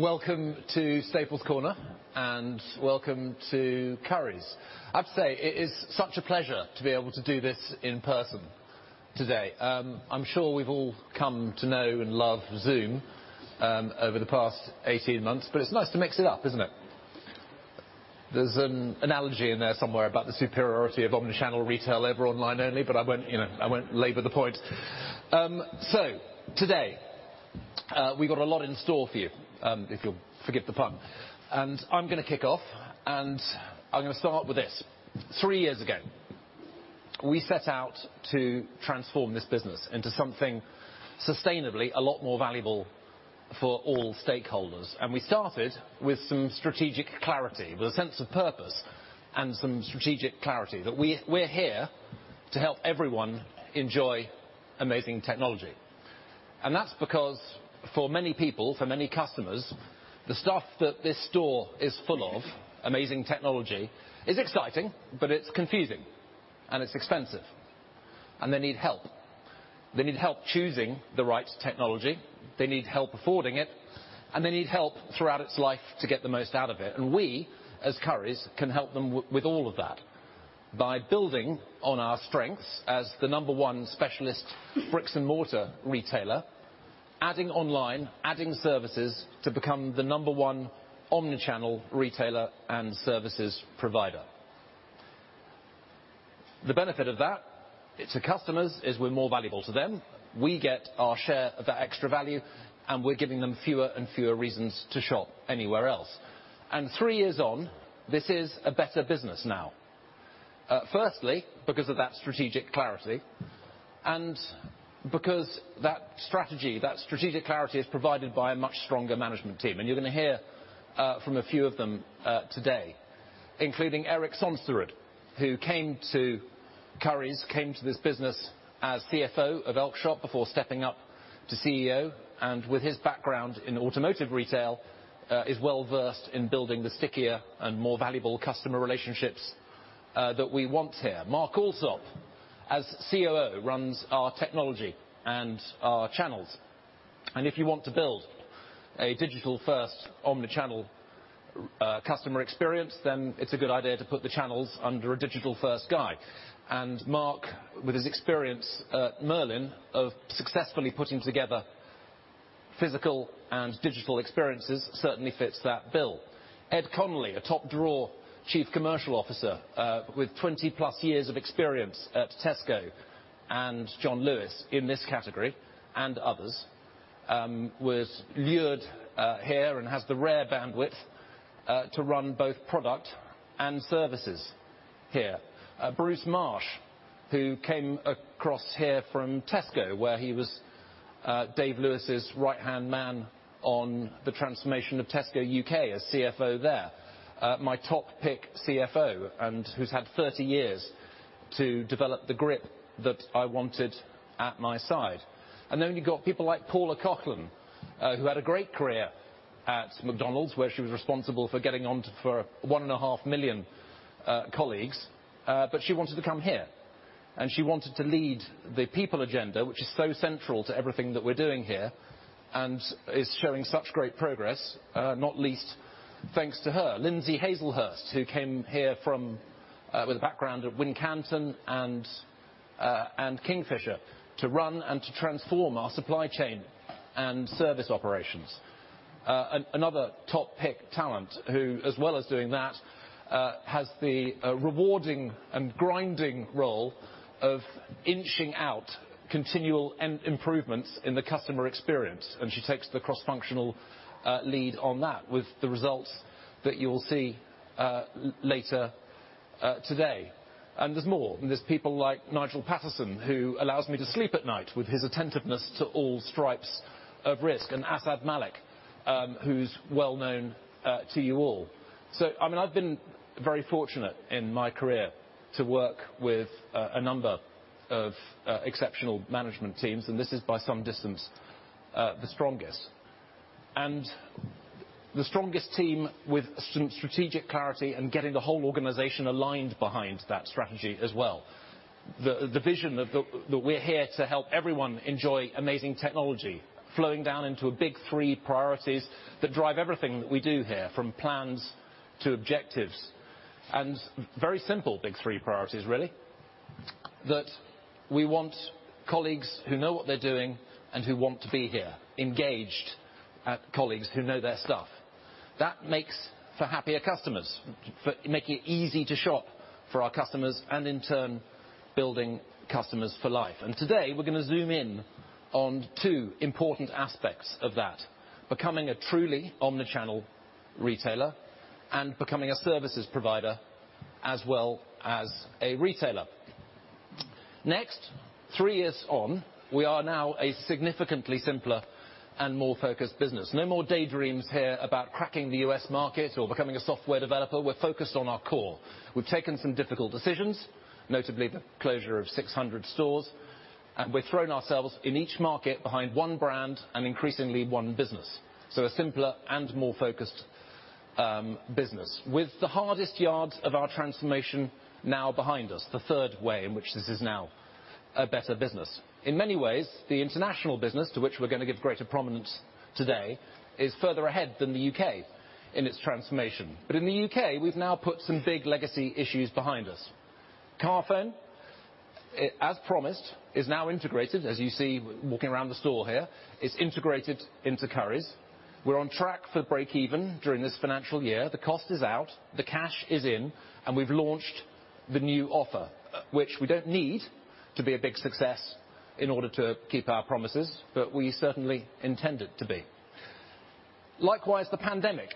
Welcome to Staples Corner and welcome to Currys. I have to say it is such a pleasure to be able to do this in person today. I'm sure we've all come to know and love Zoom over the past 18 months, but it's nice to mix it up, isn't it? There's an analogy in there somewhere about the superiority of omnichannel retail over online only, but I won't, you know, I won't labor the point. Today, we've got a lot in store for you, if you'll forgive the pun. I'm gonna kick off, and I'm gonna start with this. three years ago, we set out to transform this business into something sustainably a lot more valuable for all stakeholders. We started with some strategic clarity, with a sense of purpose and some strategic clarity that we're here to help everyone enjoy amazing technology. That's because for many people, for many customers, the stuff that this store is full of, amazing technology, is exciting, but it's confusing and it's expensive and they need help. They need help choosing the right technology, they need help affording it, and they need help throughout its life to get the most out of it. We, as Currys, can help them with all of that by building on our strengths as the number one specialist bricks and mortar retailer, adding online, adding services to become the number one omnichannel retailer and services provider. The benefit of that to customers is we're more valuable to them, we get our share of that extra value, and we're giving them fewer and fewer reasons to shop anywhere else. Three years on, this is a better business now, firstly because of that strategic clarity and because that strategy, that strategic clarity is provided by a much stronger management team. You're gonna hear from a few of them today, including Erik Sønsterud, who came to Currys, came to this business as CFO of Elkjøp before stepping up to CEO, and with his background in automotive retail, is well-versed in building the stickier and more valuable customer relationships that we want here. Mark Alsop, as COO, runs our technology and our channels. If you want to build a digital-first omnichannel customer experience, then it's a good idea to put the channels under a digital-first guy. Mark, with his experience at Merlin of successfully putting together physical and digital experiences, certainly fits that bill. Ed Connolly, a top-drawer Chief Commercial Officer with 20+ years of experience at Tesco and John Lewis in this category and others, was lured here and has the rare bandwidth to run both product and services here. Bruce Marsh, who came across here from Tesco, where he was Dave Lewis' right-hand man on the transformation of Tesco UK as CFO there. My top pick CFO and who's had 30 years to develop the grip that I wanted at my side. You've got people like Paula Coughlan, who had a great career at McDonald's, where she was responsible for getting on board for 1.5 million colleagues. But she wanted to come here, and she wanted to lead the people agenda, which is so central to everything that we're doing here and is showing such great progress, not least thanks to her. Lindsay Haselhurst, who came here from, with a background at Wincanton and Kingfisher to run and to transform our supply chain and service operations. Another top pick talent who, as well as doing that, has the rewarding and grinding role of inching out continual improvements in the customer experience, and she takes the cross-functional lead on that with the results that you'll see later today. There's more. There's people like Nigel Paterson, who allows me to sleep at night with his attentiveness to all stripes of risk, and Asad Malik, who's well-known to you all. I mean, I've been very fortunate in my career to work with a number of exceptional management teams, and this is by some distance the strongest. The strongest team with some strategic clarity and getting the whole organization aligned behind that strategy as well. The vision that we're here to help everyone enjoy amazing technology flowing down into a big three priorities that drive everything that we do here from plans to objectives. Very simple big three priorities really. That we want colleagues who know what they're doing and who want to be here, engaged colleagues who know their stuff. That makes for happier customers, for making it easy to shop for our customers and in turn building Customers for Life. Today we're gonna zoom in on two important aspects of that, becoming a truly omnichannel retailer and becoming a services provider as well as a retailer. Next, three years on, we are now a significantly simpler and more focused business. No more daydreams here about cracking the U.S. market or becoming a software developer. We're focused on our core. We've taken some difficult decisions, notably the closure of 600 stores, and we've thrown ourselves in each market behind one brand and increasingly one business. A simpler and more focused business. With the hardest yards of our transformation now behind us, the third way in which this is now a better business. In many ways, the international business, to which we're gonna give greater prominence today, is further ahead than the U.K in its transformation. In the U.K, we've now put some big legacy issues behind us. Carphone, it, as promised, is now integrated. As you see walking around the store here, it's integrated into Currys. We're on track for break even during this financial year. The cost is out, the cash is in, and we've launched the new offer, which we don't need to be a big success in order to keep our promises, but we certainly intend it to be. Likewise, the pandemic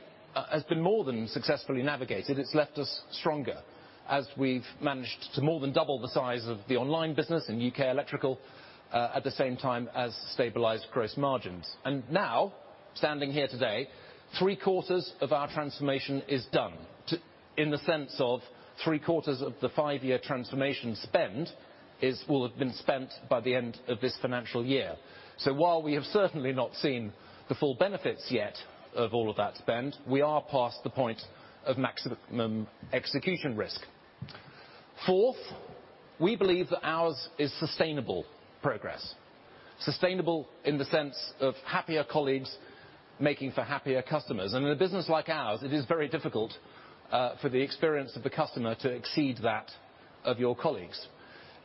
has been more than successfully navigated. It's left us stronger, as we've managed to more than double the size of the online business in U.K Electrical at the same time as stabilized gross margins. Now, standing here today, three-quarters of our transformation is done, in the sense of three-quarters of the five-year transformation spend is, will have been spent by the end of this financial year. So while we have certainly not seen the full benefits yet of all of that spend, we are past the point of maximum execution risk. Fourth, we believe that ours is sustainable progress. Sustainable in the sense of happier colleagues making for happier customers. In a business like ours, it is very difficult for the experience of the customer to exceed that of your colleagues.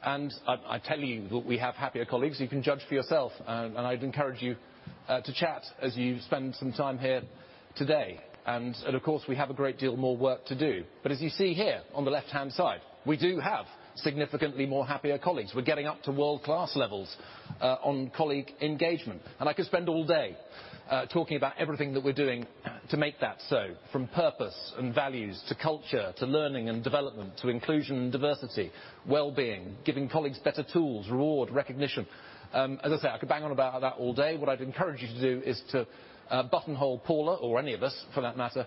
I tell you that we have happier colleagues. You can judge for yourself. I'd encourage you to chat as you spend some time here today. Of course, we have a great deal more work to do. As you see here, on the left-hand side, we do have significantly more happier colleagues. We're getting up to world-class levels on colleague engagement. I could spend all day talking about everything that we're doing to make that so, from purpose and values to culture, to learning and development, to inclusion and diversity, wellbeing, giving colleagues better tools, reward, recognition. As I say, I could bang on about that all day. What I'd encourage you to do is to buttonhole Paula, or any of us for that matter,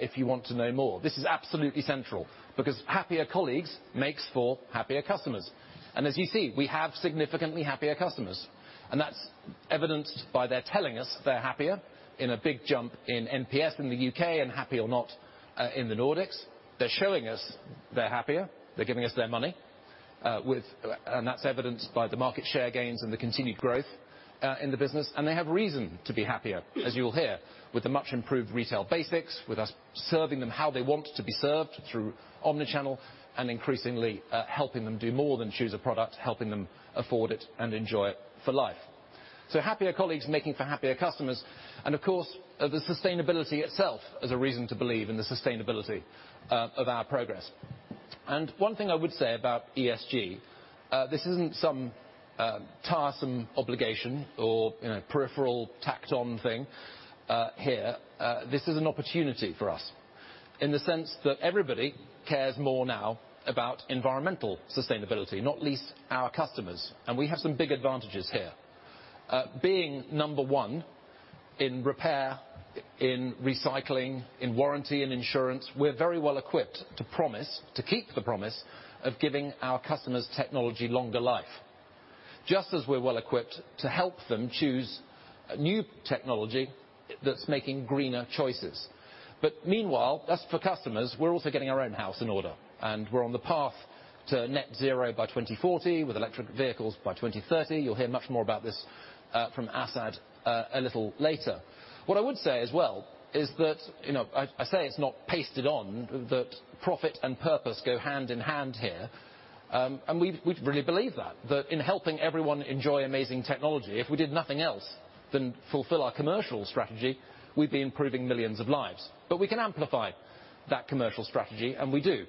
if you want to know more. This is absolutely central, because happier colleagues makes for happier customers. As you see, we have significantly happier customers. That's evidenced by their telling us they're happier in a big jump in NPS in the UK and HappyOrNot in the Nordics. They're showing us they're happier. They're giving us their money, and that's evidenced by the market share gains and the continued growth in the business. They have reason to be happier, as you'll hear, with the much improved retail basics, with us serving them how they want to be served through omni-channel, and increasingly, helping them do more than choose a product, helping them afford it and enjoy it for life. Happier colleagues making for happier customers, and of course, the sustainability itself as a reason to believe in the sustainability of our progress. One thing I would say about ESG, this isn't some tiresome obligation or, you know, peripheral tacked on thing here. This is an opportunity for us in the sense that everybody cares more now about environmental sustainability, not least our customers. We have some big advantages here. Being number one in repair, in recycling, in warranty, in insurance, we're very well-equipped to promise, to keep the promise of giving our customers' technology longer life. Just as we're well-equipped to help them choose new technology that's making greener choices. Meanwhile, that's for customers. We're also getting our own house in order, and we're on the path to net zero by 2040 with electric vehicles by 2030. You'll hear much more about this from Asad a little later. What I would say as well is that, you know, I say it's not pasted on, that profit and purpose go hand in hand here. We really believe that. That in helping everyone enjoy amazing technology, if we did nothing else than fulfill our commercial strategy, we'd be improving millions of lives. We can amplify that commercial strategy, and we do,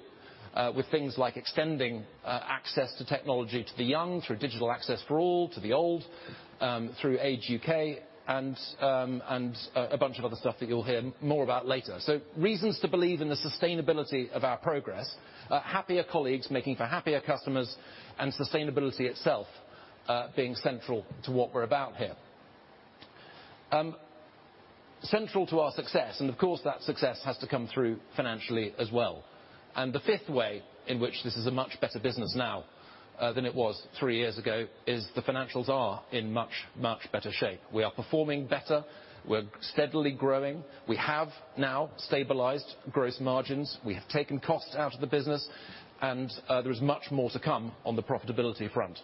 with things like extending access to technology to the young through Digital Access for All, to the old, through Age UK and a bunch of other stuff that you'll hear more about later. Reasons to believe in the sustainability of our progress, happier colleagues making for happier customers and sustainability itself, being central to what we're about here. Central to our success, and of course that success has to come through financially as well, and the fifth way in which this is a much better business now, than it was three years ago, is the financials are in much, much better shape. We are performing better. We're steadily growing. We have now stabilized gross margins. We have taken costs out of the business, and there is much more to come on the profitability front.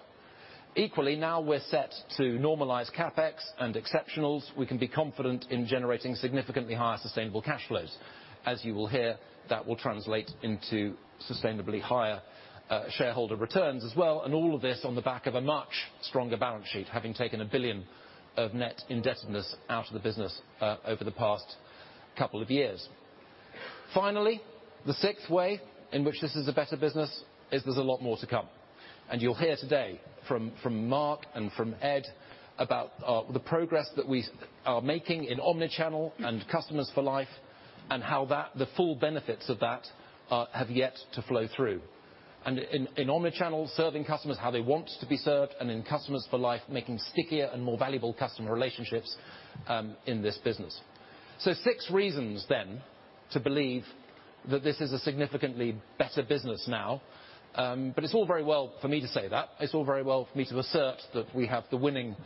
Equally, now we're set to normalize CapEx and exceptionals. We can be confident in generating significantly higher sustainable cash flows. As you will hear, that will translate into sustainably higher shareholder returns as well, and all of this on the back of a much stronger balance sheet, having taken 1 billion of net indebtedness out of the business over the past couple of years. Finally, the sixth way in which this is a better business is there's a lot more to come. You'll hear today from Mark and from Ed about the progress that we are making in omnichannel and Customers for Life, and how that, the full benefits of that, have yet to flow through. In omnichannel, serving customers how they want to be served, and in Customers for Life, making stickier and more valuable customer relationships, in this business. Six reasons, then, to believe that this is a significantly better business now. It's all very well for me to say that. It's all very well for me to assert that we have the winning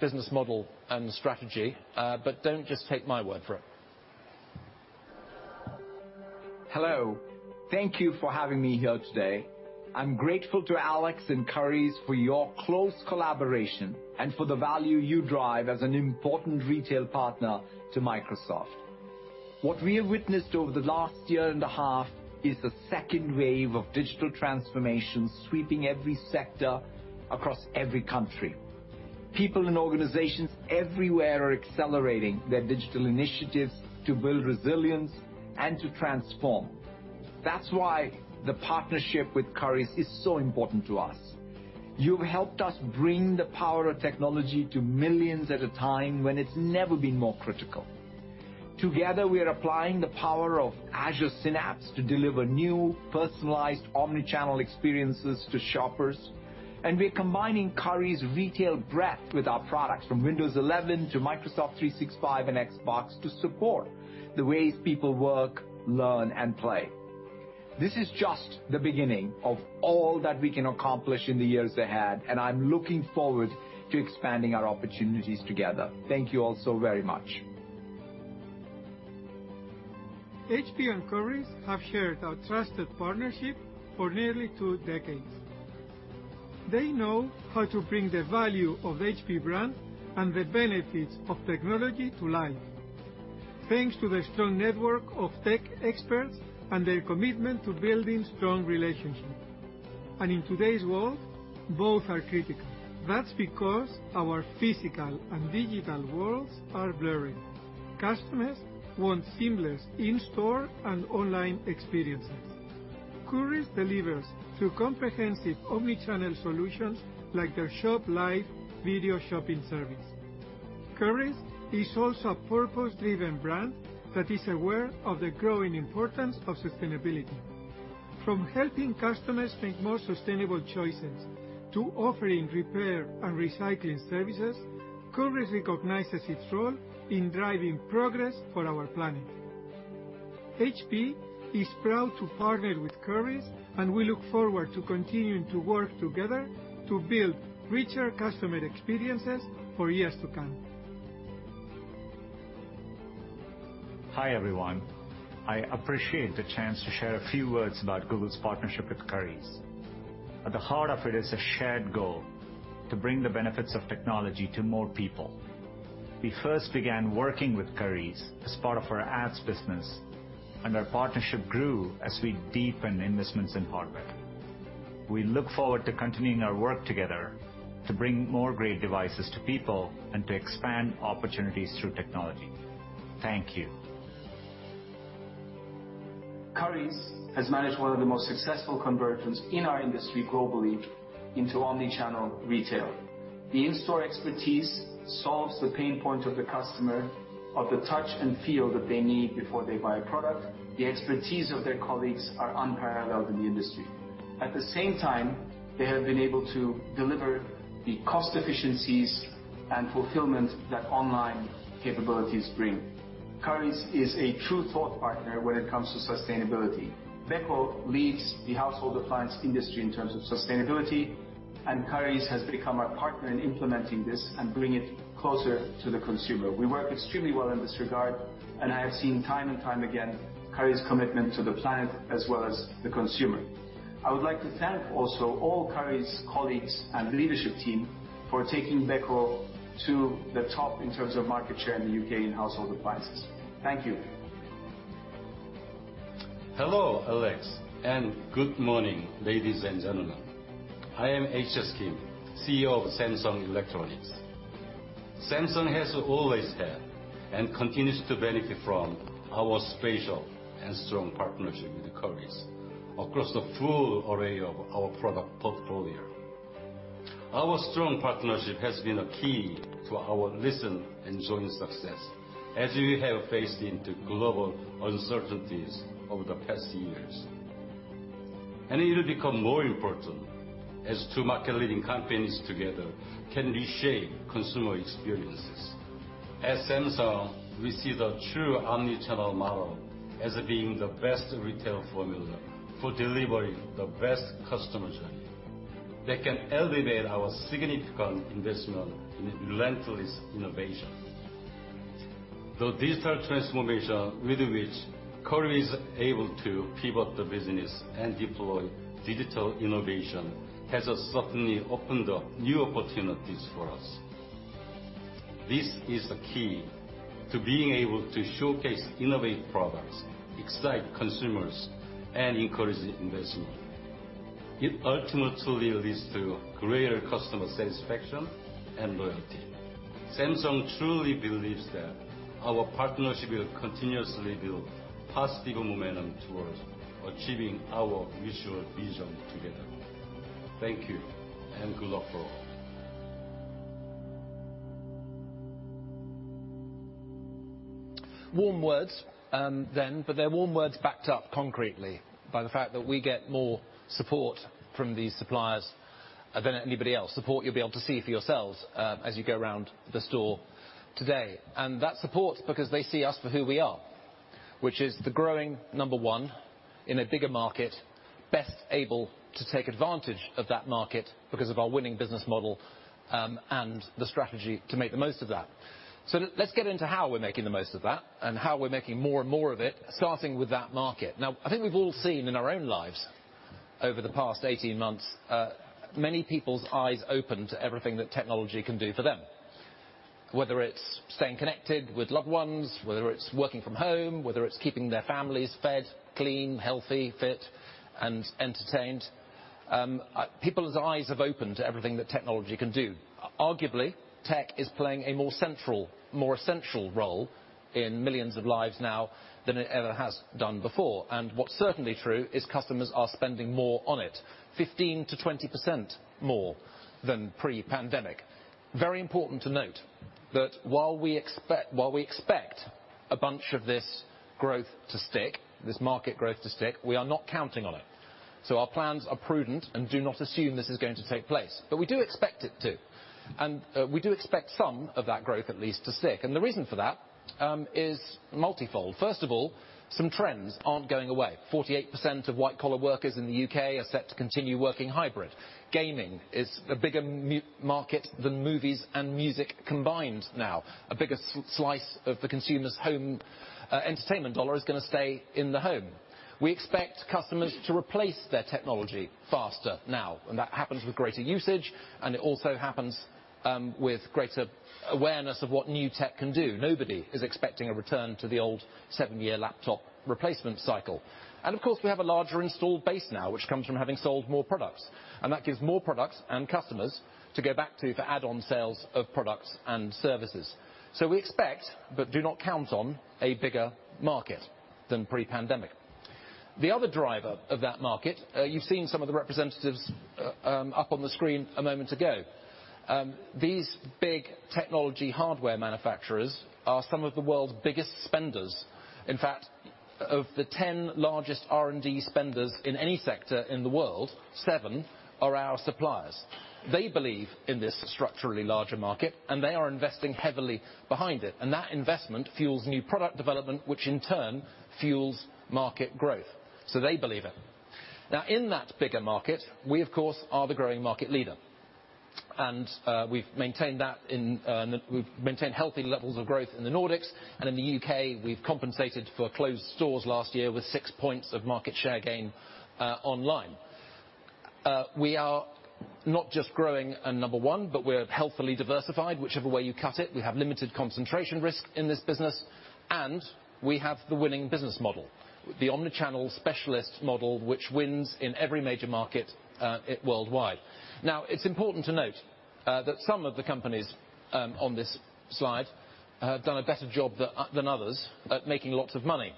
business model and strategy. Don't just take my word for it. Hello. Thank you for having me here today. I'm grateful to Alex and Currys for your close collaboration and for the value you drive as an important retail partner to Microsoft. What we have witnessed over the last year and a half is the second wave of digital transformation sweeping every sector across every country. People in organizations everywhere are accelerating their digital initiatives to build resilience and to transform. That's why the partnership with Currys is so important to us. You've helped us bring the power of technology to millions at a time when it's never been more critical. Together, we are applying the power of Azure Synapse to deliver new personalized omni-channel experiences to shoppers. We're combining Currys' retail breadth with our products, from Windows 11 to Microsoft 365 and Xbox to support the ways people work, learn and play. This is just the beginning of all that we can accomplish in the years ahead, and I'm looking forward to expanding our opportunities together. Thank you all so very much. HP and Currys have shared our trusted partnership for nearly two decades. They know how to bring the value of HP brand and the benefits of technology to life, thanks to their strong network of tech experts and their commitment to building strong relationships. In today's world, both are critical. That's because our physical and digital worlds are blurring. Customers want seamless in-store and online experiences. Currys delivers through comprehensive omni-channel solutions like their ShopLive video shopping service. Currys is also a purpose-driven brand that is aware of the growing importance of sustainability. From helping customers make more sustainable choices to offering repair and recycling services, Currys recognizes its role in driving progress for our planet. HP is proud to partner with Currys, and we look forward to continuing to work together to build richer customer experiences for years to come. Hi, everyone. I appreciate the chance to share a few words about Google's partnership with Currys. At the heart of it is a shared goal to bring the benefits of technology to more people. We first began working with Currys as part of our ads business, and our partnership grew as we deepened investments in hardware. We look forward to continuing our work together to bring more great devices to people and to expand opportunities through technology. Thank you. Currys has managed one of the most successful conversions in our industry globally into omni-channel retail. The in-store expertise solves the pain point of the customer of the touch and feel that they need before they buy a product. The expertise of their colleagues are unparalleled in the industry. At the same time, they have been able to deliver the cost efficiencies and fulfillment that online capabilities bring. Currys is a true thought partner when it comes to sustainability. Beko leads the household appliance industry in terms of sustainability, and Currys has become our partner in implementing this and bringing it closer to the consumer. We work extremely well in this regard, and I have seen time and time again, Currys' commitment to the planet as well as the consumer. I would like to thank also all Currys' colleagues and leadership team for taking Beko to the top in terms of market share in the U.K. in household appliances. Thank you. Hello, Alex, and good morning, ladies and gentlemen. I am HS Kim, CEO of Samsung Electronics. Samsung has always had and continues to benefit from our special and strong partnership with Currys across the full array of our product portfolio. Our strong partnership has been a key to our recent and joint success as we have faced into global uncertainties over the past years. It'll become more important as two market-leading companies together can reshape consumer experiences. At Samsung, we see the true omnichannel model as being the best retail formula for delivering the best customer journey that can elevate our significant investment in relentless innovation. The digital transformation with which Currys is able to pivot the business and deploy digital innovation has certainly opened up new opportunities for us. This is the key to being able to showcase innovative products, excite consumers, and encourage investment. It ultimately leads to greater customer satisfaction and loyalty. Samsung truly believes that our partnership will continuously build positive momentum towards achieving our mutual vision together. Thank you, and good luck for all. Warm words, but they're warm words backed up concretely by the fact that we get more support from these suppliers than anybody else. Support you'll be able to see for yourselves, as you go around the store today. That support's because they see us for who we are, which is the growing number one in a bigger market, best able to take advantage of that market because of our winning business model, and the strategy to make the most of that. Let's get into how we're making the most of that and how we're making more and more of it, starting with that market. Now, I think we've all seen in our own lives over the past 18 months, many people's eyes open to everything that technology can do for them, whether it's staying connected with loved ones, whether it's working from home, whether it's keeping their families fed, clean, healthy, fit, and entertained. People's eyes have opened to everything that technology can do. Arguably, tech is playing a more central, more essential role in millions of lives now than it ever has done before. What's certainly true is customers are spending more on it, 15%-20% more than pre-pandemic. Very important to note that while we expect a bunch of this growth to stick, this market growth to stick, we are not counting on it. Our plans are prudent and do not assume this is going to take place. We do expect it to. We do expect some of that growth at least to stick, and the reason for that is multifold. First of all, some trends aren't going away. 48% of white-collar workers in the U.K. are set to continue working hybrid. Gaming is a bigger market than movies and music combined now. A bigger slice of the consumer's home entertainment dollar is gonna stay in the home. We expect customers to replace their technology faster now, and that happens with greater usage, and it also happens with greater awareness of what new tech can do. Nobody is expecting a return to the old seven-year laptop replacement cycle. Of course, we have a larger installed base now, which comes from having sold more products, and that gives more products and customers to go back to for add-on sales of products and services. We expect, but do not count on, a bigger market than pre-pandemic. The other driver of that market, you've seen some of the representatives, up on the screen a moment ago. These big technology hardware manufacturers are some of the world's biggest spenders. In fact, of the ten largest R&D spenders in any sector in the world, seven are our suppliers. They believe in this structurally larger market, and they are investing heavily behind it. That investment fuels new product development, which in turn fuels market growth. They believe it. Now in that bigger market, we of course, are the growing market leader. We've maintained healthy levels of growth in the Nordics. In the U.K, we've compensated for closed stores last year with six points of market share gain online. We are not just growing number one, but we're healthily diversified, whichever way you cut it. We have limited concentration risk in this business, and we have the winning business model. The omni-channel specialist model, which wins in every major market worldwide. Now, it's important to note that some of the companies on this slide have done a better job than others at making lots of money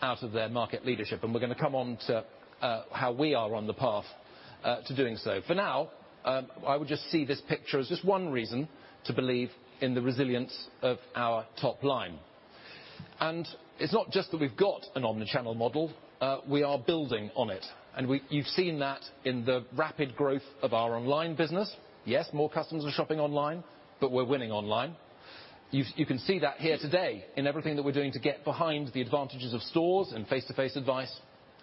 out of their market leadership, and we're gonna come on to how we are on the path to doing so. For now, I would just see this picture as just one reason to believe in the resilience of our top line. It's not just that we've got an omnichannel model, we are building on it. You've seen that in the rapid growth of our online business. Yes, more customers are shopping online, but we're winning online. You can see that here today in everything that we're doing to get behind the advantages of stores and face-to-face advice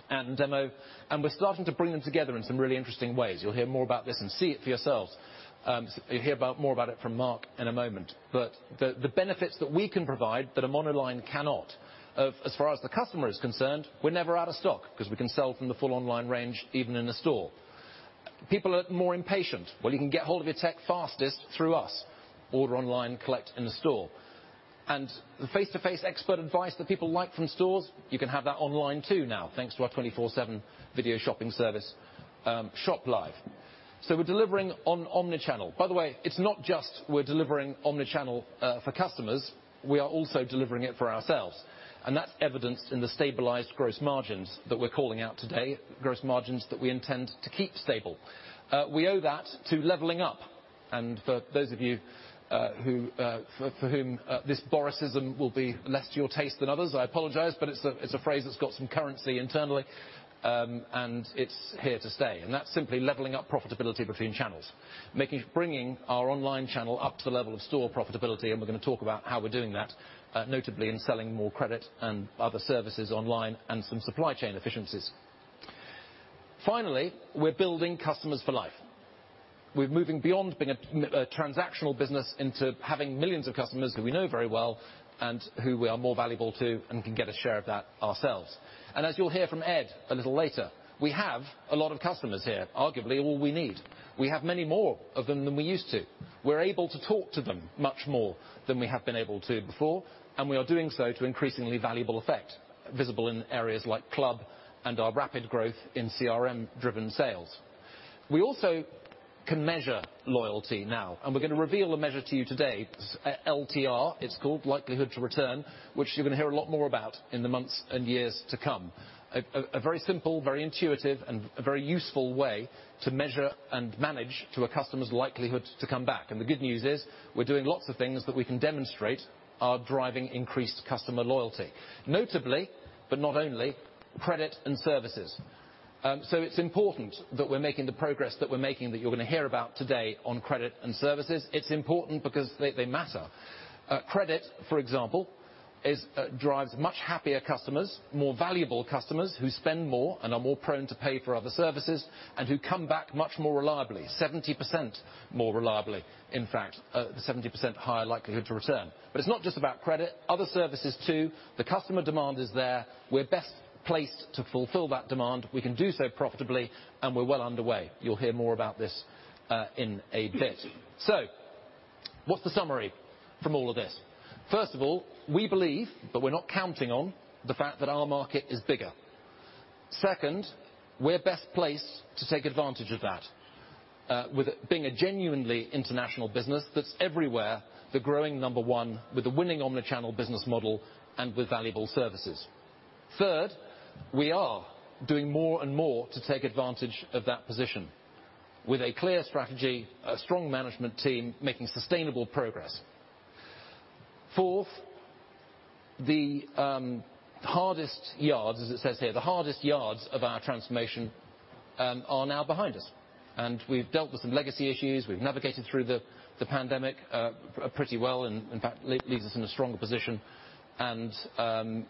and demo, and we're starting to bring them together in some really interesting ways. You'll hear more about this and see it for yourselves. You'll hear more about it from Mark in a moment. The benefits that we can provide that a monoline cannot of as far as the customer is concerned, we're never out of stock because we can sell from the full online range, even in a store. People are more impatient. Well, you can get a hold of your tech fastest through us. Order online, collect in the store. The face-to-face expert advice that people like from stores, you can have that online too now, thanks to our 24/7 video shopping service, ShopLive. We're delivering on omni-channel. By the way, it's not just we're delivering omni-channel for customers, we are also delivering it for ourselves. That's evidenced in the stabilized gross margins that we're calling out today, gross margins that we intend to keep stable. We owe that to leveling up. For those of you who for whom this Borisism will be less to your taste than others, I apologize, but it's a phrase that's got some currency internally, and it's here to stay. That's simply leveling up profitability between channels. Bringing our online channel up to the level of store profitability, and we're gonna talk about how we're doing that, notably in selling more credit and other services online and some supply chain efficiencies. Finally, we're building Customers for Life. We're moving beyond being a transactional business into having millions of customers who we know very well and who we are more valuable to and can get a share of that ourselves. As you'll hear from Ed a little later, we have a lot of customers here, arguably all we need. We have many more of them than we used to. We're able to talk to them much more than we have been able to before, and we are doing so to increasingly valuable effect, visible in areas like Club and our rapid growth in CRM-driven sales. We also can measure loyalty now, and we're gonna reveal a measure to you today, LTR it's called, likelihood to return, which you're gonna hear a lot more about in the months and years to come. A very simple, very intuitive, and a very useful way to measure and manage to a customer's likelihood to come back. The good news is we're doing lots of things that we can demonstrate are driving increased customer loyalty. Notably, but not only Credit and services. It's important that we're making the progress that we're making, that you're gonna hear about today on credit and services. It's important because they matter. Credit, for example, drives much happier customers, more valuable customers who spend more and are more prone to pay for other services, and who come back much more reliably, 70% more reliably, in fact, 70% higher likelihood to return. It's not just about credit. Other services too, the customer demand is there. We're best placed to fulfill that demand. We can do so profitably, and we're well underway. You'll hear more about this in a bit. What's the summary from all of this? First of all, we believe, but we're not counting on the fact that our market is bigger. Second, we're best placed to take advantage of that, with it being a genuinely international business that's everywhere, the growing number one with a winning omni-channel business model and with valuable services. Third, we are doing more and more to take advantage of that position with a clear strategy, a strong management team making sustainable progress. Fourth, the hardest yards, as it says here, the hardest yards of our transformation, are now behind us, and we've dealt with some legacy issues. We've navigated through the pandemic pretty well, and in fact, it leaves us in a stronger position and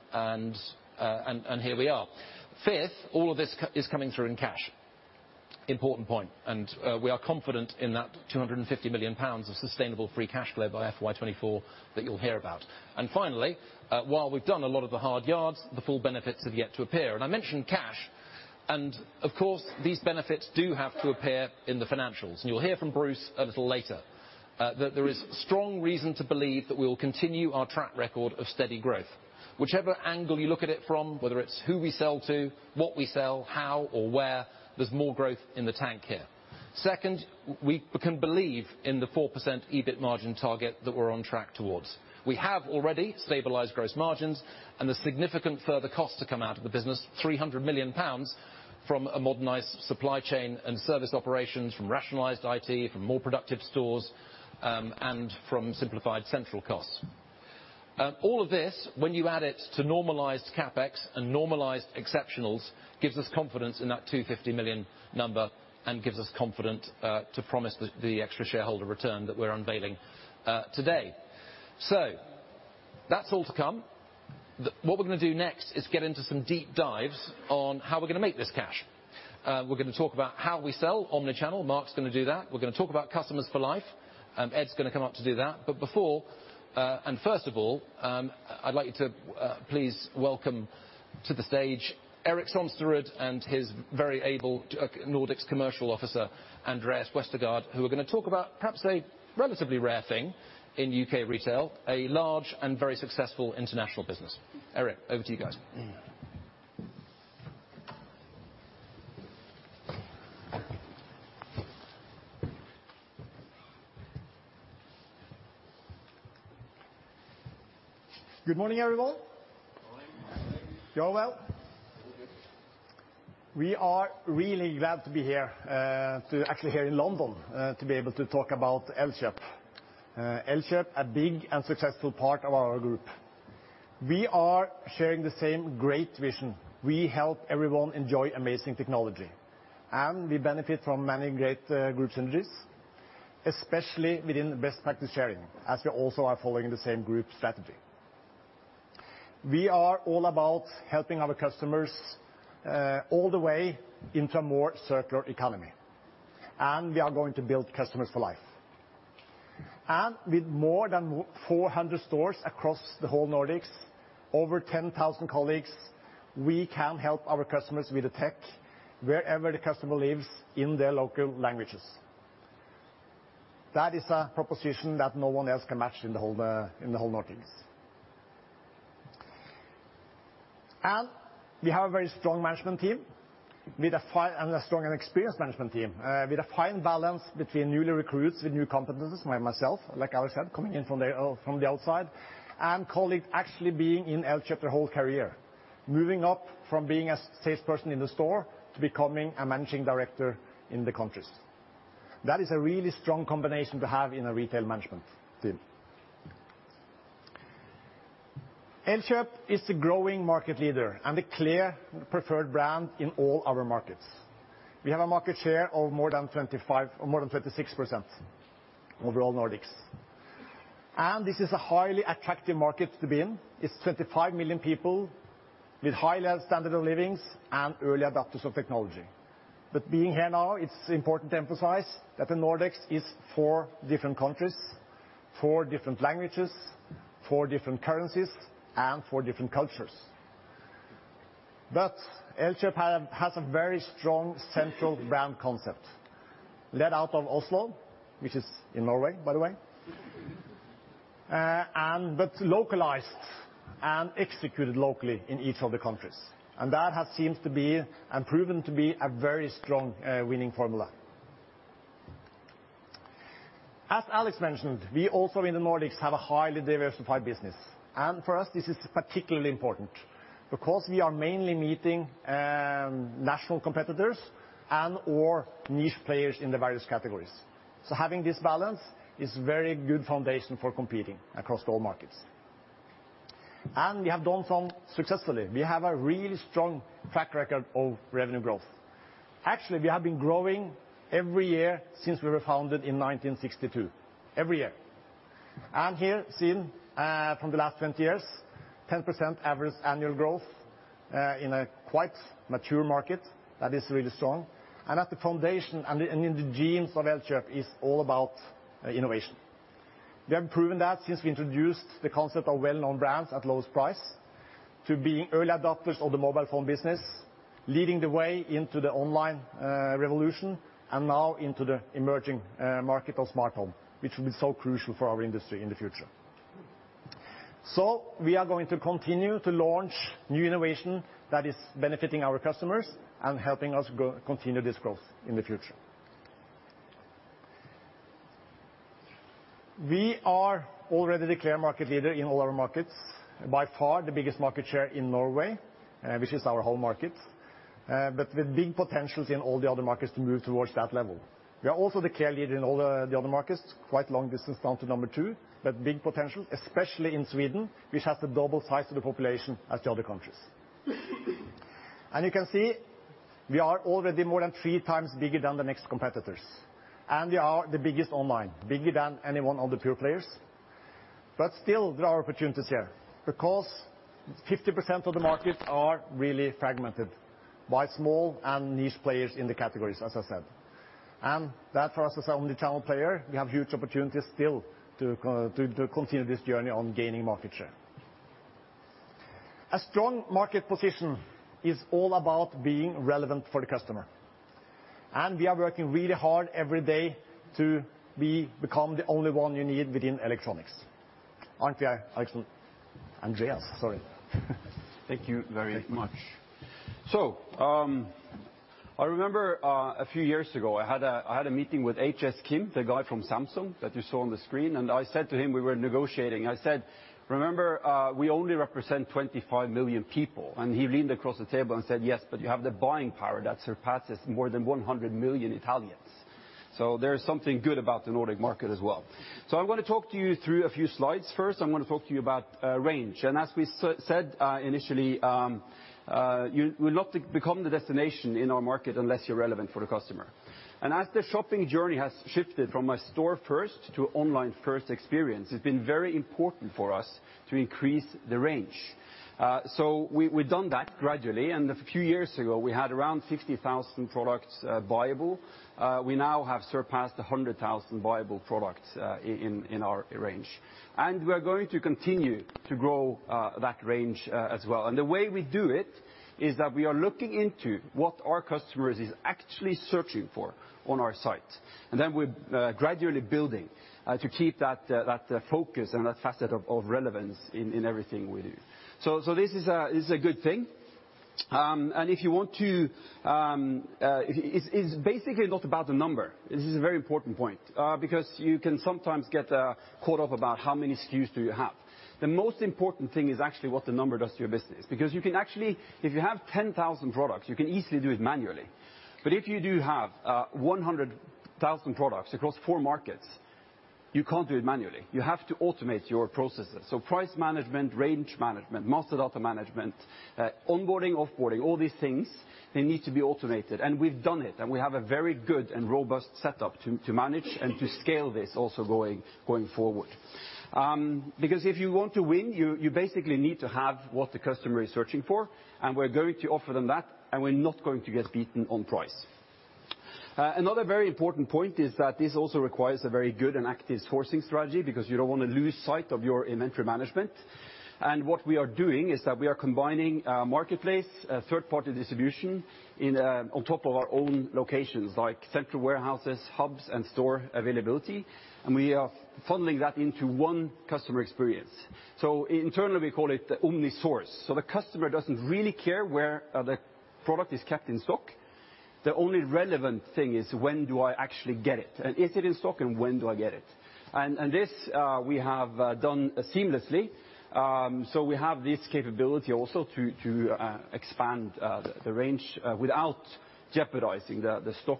here we are. Fifth, all of this is coming through in cash. Important point, and we are confident in that 250 million pounds of sustainable free cash flow by FY 2024 that you'll hear about. Finally, while we've done a lot of the hard yards, the full benefits have yet to appear. I mentioned cash, and of course, these benefits do have to appear in the financials. You'll hear from Bruce a little later, that there is strong reason to believe that we will continue our track record of steady growth. Whichever angle you look at it from, whether it's who we sell to, what we sell, how or where, there's more growth in the tank here. Second, we can believe in the 4% EBIT margin target that we're on track towards. We have already stabilized gross margins and the significant further cost to come out of the business, 300 million pounds from a modernized supply chain and service operations from rationalized IT, from more productive stores, and from simplified central costs. All of this when you add it to normalized CapEx and normalized exceptionals gives us confidence in that 250 million number and gives us confidence to promise the extra shareholder return that we're unveiling today. That's all to come. What we're gonna do next is get into some deep dives on how we're gonna make this cash. We're gonna talk about how we sell omni-channel. Mark's gonna do that. We're gonna talk about Customers for Life, and Ed's gonna come up to do that. Before and first of all, I'd like you to please welcome to the stage, Erik Sønsterud and his very able Nordics Commercial Officer, Andreas Westergaard, who are gonna talk about perhaps a relatively rare thing in U.K. retail, a large and very successful international business. Erik, over to you guys. Good morning, everyone. Morning. You're well? Good. We are really glad to be here to actually be here in London to be able to talk about Elkjøp. Elkjøp, a big and successful part of our group. We are sharing the same great vision. We help everyone enjoy amazing technology, and we benefit from many great group synergies, especially within best practice sharing as we also are following the same group strategy. We are all about helping our customers all the way into a more circular economy, and we are going to build Customers for Life. With more than 400 stores across the whole Nordics, over 10,000 colleagues, we can help our customers with the tech wherever the customer lives in their local languages. That is a proposition that no one else can match in the whole Nordics. We have a very strong and experienced management team with a fine balance between newly recruits with new competencies, myself, like Alex said, coming in from the outside, and colleagues actually being in Elkjøp their whole career, moving up from being a salesperson in the store to becoming a managing director in the countries. That is a really strong combination to have in a retail management team. Elkjøp is the growing market leader and the clear preferred brand in all our markets. We have a market share of more than 25, or more than 36% overall Nordics. This is a highly attractive market to be in. It's 25 million people with high level standard of living and early adopters of technology. Being here now, it's important to emphasize that the Nordics is four different countries, four different languages, four different currencies, and four different cultures. Elkjøp has a very strong central brand concept led out of Oslo, which is in Norway, by the way, and localized and executed locally in each of the countries. That has seemed and proven to be a very strong winning formula. As Alex mentioned, we also in the Nordics have a highly diversified business, and for us this is particularly important because we are mainly meeting national competitors and/or niche players in the various categories. Having this balance is very good foundation for competing across all markets. We have done so successfully. We have a really strong track record of revenue growth. Actually, we have been growing every year since we were founded in 1962. Every year. As seen from the last 20 years, 10% average annual growth in a quite mature market that is really strong. At the foundation and in the genes of Elkjøp is all about innovation. We have proven that since we introduced the concept of well-known brands at lowest price to being early adopters of the mobile phone business, leading the way into the online revolution, and now into the emerging market of smartphone, which will be so crucial for our industry in the future. We are going to continue to launch new innovation that is benefiting our customers and helping us grow, continue this growth in the future. We are already the clear market leader in all our markets. By far the biggest market share in Norway, which is our home market. With big potentials in all the other markets to move towards that level. We are also the clear leader in all the other markets, quite long distance down to number two, but big potential, especially in Sweden, which has the double size of the population as the other countries. You can see we are already more than 3x bigger than the next competitors, and we are the biggest online, bigger than any one of the pure players. Still there are opportunities here because 50% of the markets are really fragmented by small and niche players in the categories, as I said. That for us as an omnichannel player, we have huge opportunities still to continue this journey on gaining market share. A strong market position is all about being relevant for the customer. We are working really hard every day to become the only one you need within electronics. Aren't we, Alex? Andreas, sorry. Thank you very much. I remember a few years ago, I had a meeting with HS Kim, the guy from Samsung that you saw on the screen, and I said to him, we were negotiating, I said, "Remember, we only represent 25 million people." He leaned across the table and said, "Yes, but you have the buying power that surpasses more than 100 million Italians." There is something good about the Nordic market as well. I'm gonna talk to you through a few slides. First, I'm gonna talk to you about range. As we said, initially, you'll not become the destination in our market unless you're relevant for the customer. As the shopping journey has shifted from a store-first to online-first experience, it's been very important for us to increase the range. We've done that gradually, and a few years ago we had around 60,000 products buyable. We now have surpassed 100,000 buyable products in our range. We're going to continue to grow that range as well. The way we do it is that we are looking into what our customers is actually searching for on our site. Then we're gradually building to keep that focus and that facet of relevance in everything we do. This is a good thing. If you want to, it's basically not about the number. This is a very important point. Because you can sometimes get caught up about how many SKUs do you have. The most important thing is actually what the number does to your business. You can actually, if you have 10,000 products, you can easily do it manually. If you do have 100,000 products across 4 markets, you can't do it manually. You have to automate your processes. Price management, range management, master data management, onboarding, off-boarding, all these things, they need to be automated and we've done it, and we have a very good and robust setup to manage and to scale this also going forward. Because if you want to win, you basically need to have what the customer is searching for, and we're going to offer them that, and we're not going to get beaten on price. Another very important point is that this also requires a very good and active sourcing strategy because you don't wanna lose sight of your inventory management. What we are doing is that we are combining marketplace, third-party distribution in on top of our own locations, like central warehouses, hubs, and store availability, and we are funneling that into one customer experience. Internally we call it the only source. The customer doesn't really care where the product is kept in stock. The only relevant thing is when do I actually get it? Is it in stock and when do I get it? This we have done seamlessly. We have this capability also to expand the range without jeopardizing the stock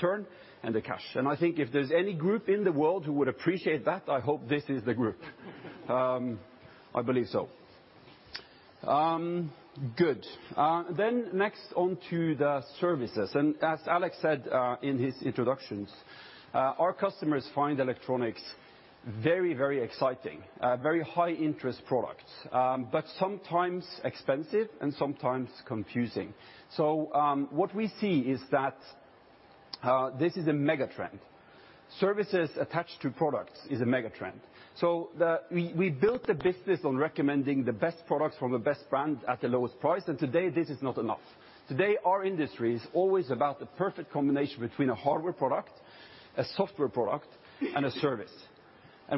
turn and the cash. I think if there's any group in the world who would appreciate that, I hope this is the group. I believe so. Good. Next on to the services. As Alex said, in his introductions, our customers find electronics very, very exciting, very high interest products. Sometimes expensive and sometimes confusing. What we see is that, this is a mega trend. Services attached to products is a mega trend. We built the business on recommending the best products from the best brand at the lowest price. Today this is not enough. Today, our industry is always about the perfect combination between a hardware product, a software product, and a service.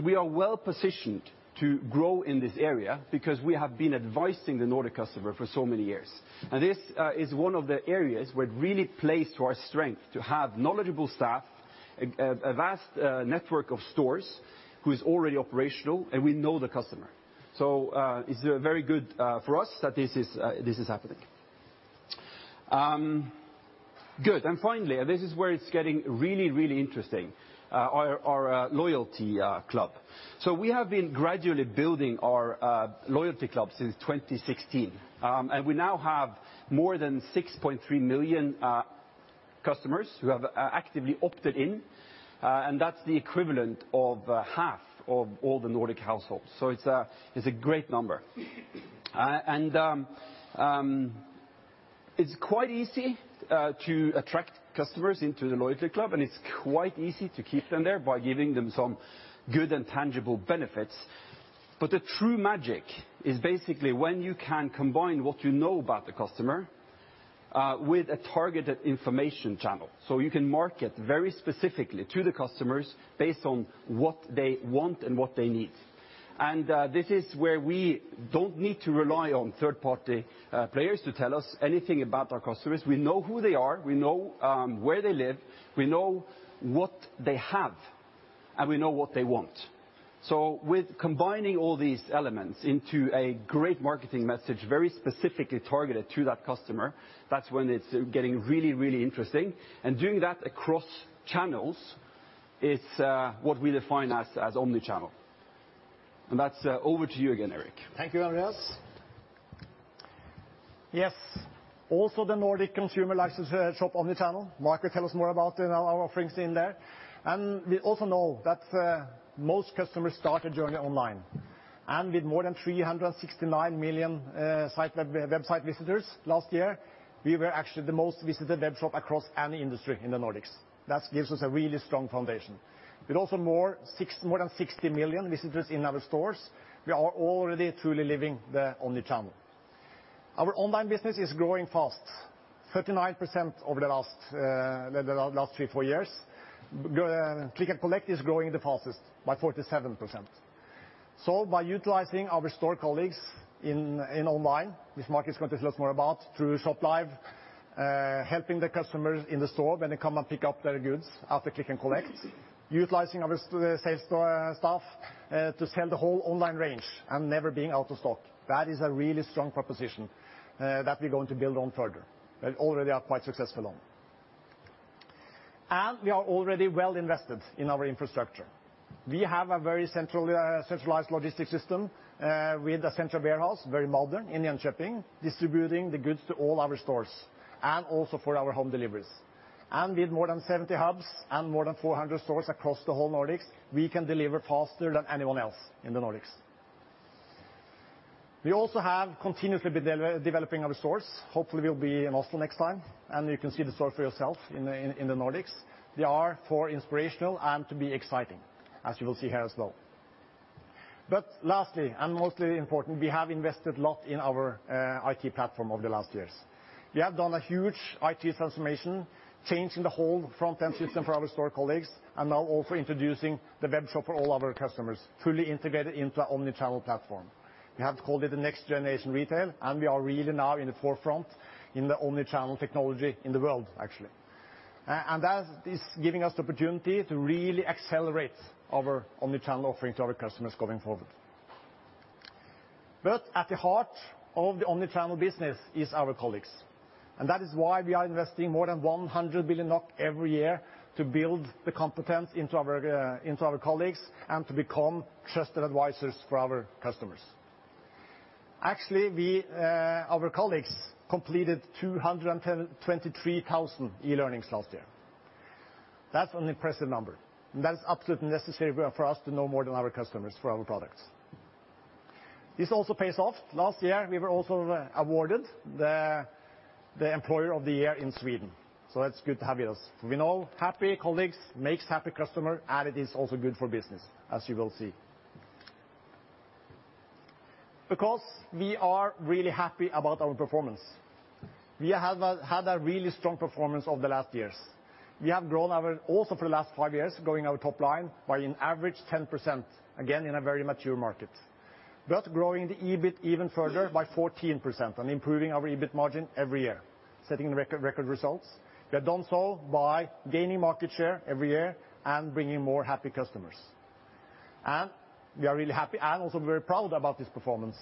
We are well positioned to grow in this area because we have been advising the Nordic customer for so many years. This is one of the areas where it really plays to our strength to have knowledgeable staff, a vast network of stores who is already operational, and we know the customer. It's very good for us that this is happening. Good. Finally, this is where it's getting really interesting, our loyalty club. We have been gradually building our loyalty club since 2016. We now have more than 6.3 million customers who have actively opted in, and that's the equivalent of half of all the Nordic households. It's a great number. It's quite easy to attract customers into the loyalty club, and it's quite easy to keep them there by giving them some good and tangible benefits. The true magic is basically when you can combine what you know about the customer with a targeted information channel, so you can market very specifically to the customers based on what they want and what they need. This is where we don't need to rely on third-party players to tell us anything about our customers. We know who they are. We know where they live. We know what they have, and we know what they want. With combining all these elements into a great marketing message very specifically targeted to that customer, that's when it's getting really, really interesting, and doing that across channels is what we define as omnichannel. That's over to you again, Erik. Thank you, Andreas. Yes, also the Nordic consumer likes to shop omnichannel. Mark will tell us more about, you know, our offerings in there. We also know that most customers start their journey online, and with more than 369 million website visitors last year, we were actually the most visited web shop across any industry in the Nordics. That gives us a really strong foundation. With also more than 60 million visitors in our stores, we are already truly living the omnichannel. Our online business is growing fast, 39% over the last three, four years. Click and collect is growing the fastest, by 47%. By utilizing our store colleagues in online, which Mark is going to tell us more about, through ShopLive, helping the customers in the store when they come and pick up their goods after click and collect, utilizing our sales staff to sell the whole online range and never being out of stock, that is a really strong proposition that we're going to build on further, that already are quite successful on. We are already well invested in our infrastructure. We have a very central centralized logistics system with a central warehouse, very modern, in Enköping, distributing the goods to all our stores and also for our home deliveries. With more than 70 hubs and more than 400 stores across the whole Nordics, we can deliver faster than anyone else in the Nordics. We also have continuously been developing our stores. Hopefully, we'll be in Oslo next time, and you can see the store for yourself in the Nordics. They are inspirational and exciting, as you will see here as well. Lastly, most important, we have invested a lot in our IT platform over the last years. We have done a huge IT transformation, changing the whole front-end system for our store colleagues and now also introducing the web shop for all our customers, fully integrated into our omnichannel platform. We have called it the next generation retail, and we are really now in the forefront in the omnichannel technology in the world, actually. That is giving us the opportunity to really accelerate our omnichannel offering to our customers going forward. At the heart of the omnichannel business is our colleagues, and that is why we are investing more than 100 billion NOK every year to build the competence into our colleagues and to become trusted advisors for our customers. Actually, our colleagues completed 23,000 e-learnings last year. That's an impressive number, and that's absolutely necessary for us to know more than our customers for our products. This also pays off. Last year, we were also awarded the employer of the year in Sweden, so that's good to have with us. We know happy colleagues makes happy customer, and it is also good for business, as you will see. Because we are really happy about our performance, we have had a really strong performance over the last years. We have grown our... For the last five years, growing our top line by an average 10%, again, in a very mature market, growing the EBIT even further by 14% and improving our EBIT margin every year, setting record results. We have done so by gaining market share every year and bringing more happy customers. We are really happy and also very proud about this performance.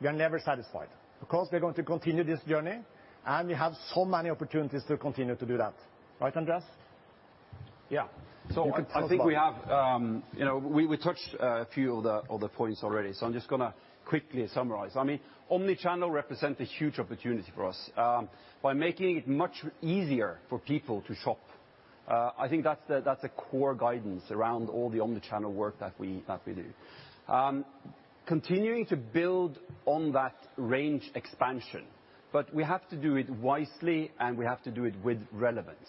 We are never satisfied. Of course, we're going to continue this journey, and we have so many opportunities to continue to do that. Right, Andreas? Yeah. You can talk about it. I think we have, you know, we touched a few of the points already, so I'm just gonna quickly summarize. I mean, omnichannel represents a huge opportunity for us. By making it much easier for people to shop, I think that's the core guidance around all the omnichannel work that we do. Continuing to build on that range expansion, but we have to do it wisely, and we have to do it with relevance.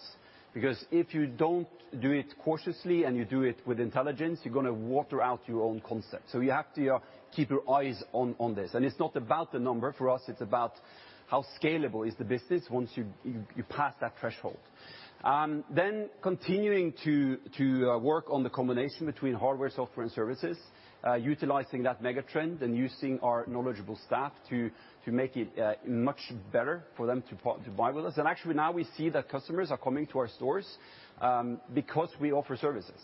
Because if you don't do it cautiously and you do it with intelligence, you're gonna water down your own concept. You have to keep your eyes on this. It's not about the number. For us, it's about how scalable is the business once you pass that threshold. Continuing to work on the combination between hardware, software, and services, utilizing that megatrend and using our knowledgeable staff to make it much better for them to buy with us. Actually, now we see that customers are coming to our stores because we offer services.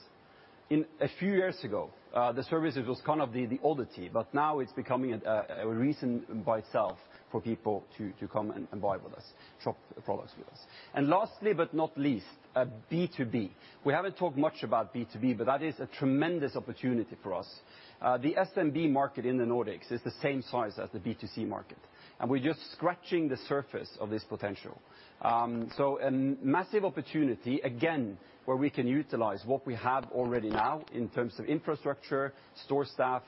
A few years ago, the services was kind of the oddity, but now it's becoming a reason by itself for people to come and buy with us, shop products with us. Lastly but not least, B2B. We haven't talked much about B2B, but that is a tremendous opportunity for us. The SMB market in the Nordics is the same size as the B2C market, and we're just scratching the surface of this potential. A massive opportunity, again, where we can utilize what we have already now in terms of infrastructure, store staff,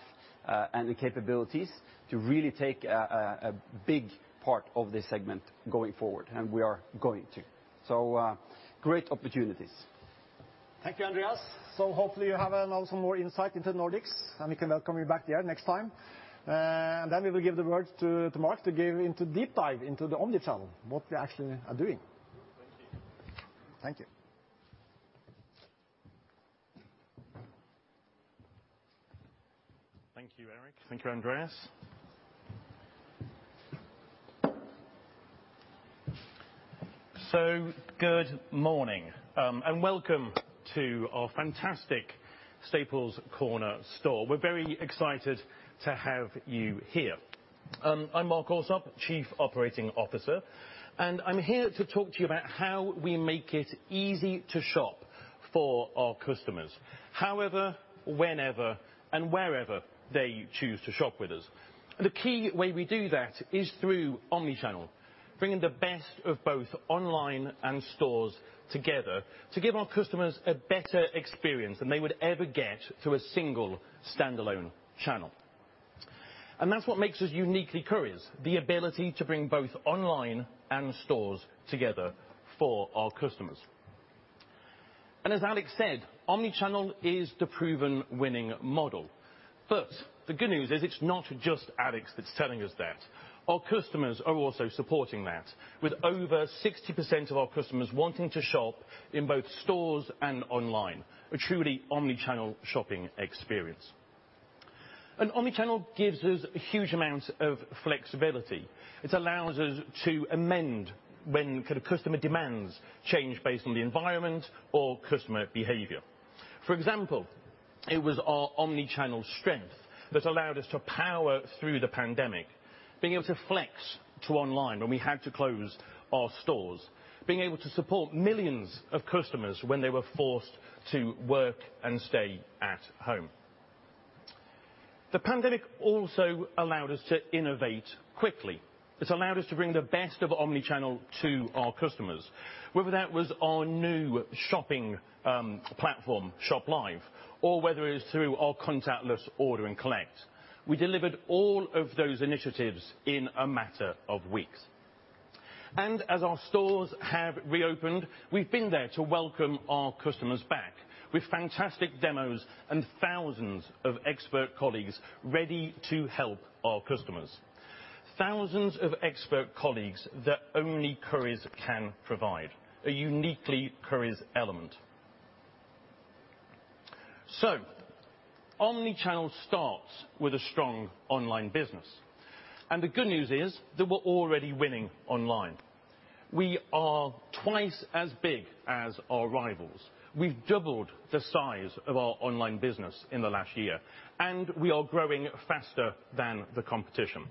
and the capabilities to really take a big part of this segment going forward, and we are going to. Great opportunities. Thank you, Andreas. Hopefully you have now some more insight into Nordics, and we can welcome you back here next time. We will give the word to Mark to give a deep dive into the omni-channel, what we actually are doing. Thank you. Thank you. Thank you, Erik. Thank you, Andreas. Good morning, and welcome to our fantastic Staples Corner store. We're very excited to have you here. I'm Mark Alsop, Chief Operating Officer, and I'm here to talk to you about how we make it easy to shop for our customers however, whenever, and wherever they choose to shop with us. The key way we do that is through omni-channel, bringing the best of both online and stores together to give our customers a better experience than they would ever get through a single standalone channel. That's what makes us uniquely Currys, the ability to bring both online and stores together for our customers. As Alex said, omni-channel is the proven winning model. The good news is it's not just Alex that's telling us that. Our customers are also supporting that, with over 60% of our customers wanting to shop in both stores and online, a truly omni-channel shopping experience. An omni-channel gives us huge amounts of flexibility. It allows us to amend when the customer demands change based on the environment or customer behavior. For example, it was our omni-channel strength that allowed us to power through the pandemic, being able to flex to online when we had to close our stores, being able to support millions of customers when they were forced to work and stay at home. The pandemic also allowed us to innovate quickly. It's allowed us to bring the best of omni-channel to our customers, whether that was our new shopping platform, ShopLive, or whether it was through our contactless order and collect. We delivered all of those initiatives in a matter of weeks. As our stores have reopened, we've been there to welcome our customers back with fantastic demos and thousands of expert colleagues ready to help our customers. Thousands of expert colleagues that only Currys can provide, a uniquely Currys element. Omni-channel starts with a strong online business, and the good news is that we're already winning online. We are twice as big as our rivals. We've doubled the size of our online business in the last year, and we are growing faster than the competition.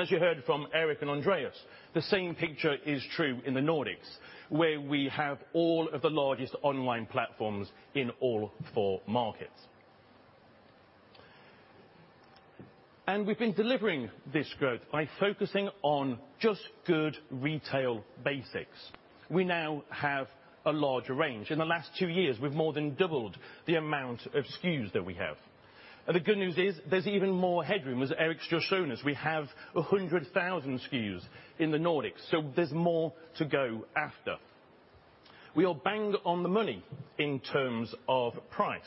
As you heard from Erik and Andreas, the same picture is true in the Nordics, where we have all of the largest online platforms in all four markets. We've been delivering this growth by focusing on just good retail basics. We now have a larger range. In the last two years, we've more than doubled the amount of SKUs that we have. The good news is there's even more headroom, as Erik's just shown us. We have 100,000 SKUs in the Nordics, so there's more to go after. We are bang on the money in terms of price.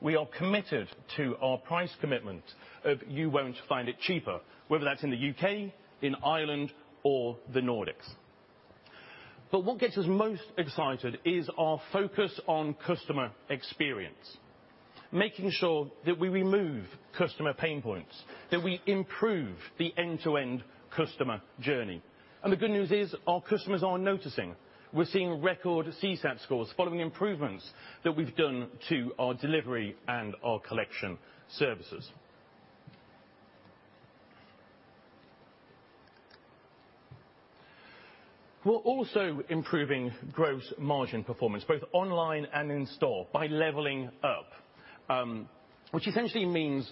We are committed to our price commitment of you won't find it cheaper, whether that's in the U.K., in Ireland, or the Nordics. What gets us most excited is our focus on customer experience. Making sure that we remove customer pain points, that we improve the end-to-end customer journey. The good news is our customers are noticing. We're seeing record CSAT scores following improvements that we've done to our delivery and our collection services. We're also improving gross margin performance, both online and in store, by leveling up, which essentially means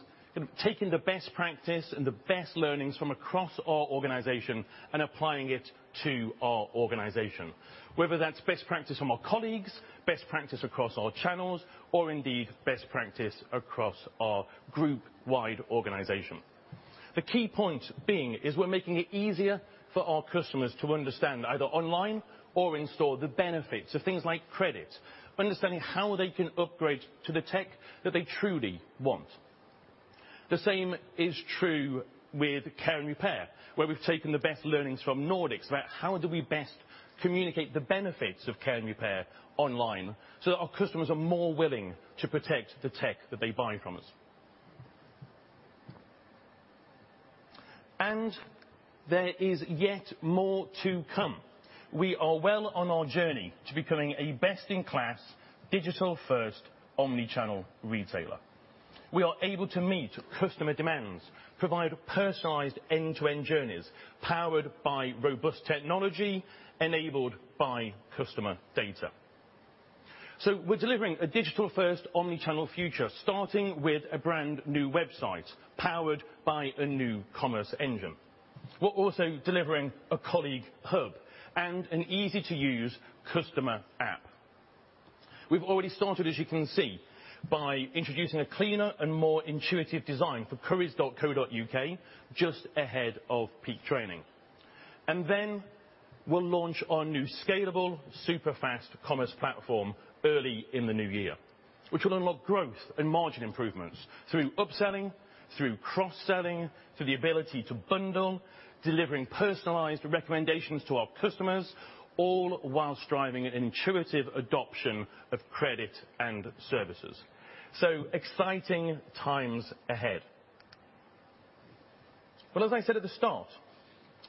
taking the best practice and the best learnings from across our organization and applying it to our organization, whether that's best practice from our colleagues, best practice across our channels, or indeed best practice across our group-wide organization. The key point being is we're making it easier for our customers to understand either online or in store the benefits of things like credit, understanding how they can upgrade to the tech that they truly want. The same is true with care and repair, where we've taken the best learnings from Nordics about how do we best communicate the benefits of care and repair online so that our customers are more willing to protect the tech that they buy from us. There is yet more to come. We are well on our journey to becoming a best-in-class, digital first, omni-channel retailer. We are able to meet customer demands, provide personalized end-to-end journeys, powered by robust technology, enabled by customer data. We're delivering a digital first omni-channel future, starting with a brand new website, powered by a new commerce engine. We're also delivering a colleague hub and an easy-to-use customer app. We've already started, as you can see, by introducing a cleaner and more intuitive design for currys.co.uk just ahead of peak trading. We'll launch our new scalable super-fast commerce platform early in the new year, which will unlock growth and margin improvements through upselling, through cross-selling, through the ability to bundle, delivering personalized recommendations to our customers, all while driving an intuitive adoption of credit and services. Exciting times ahead. As I said at the start,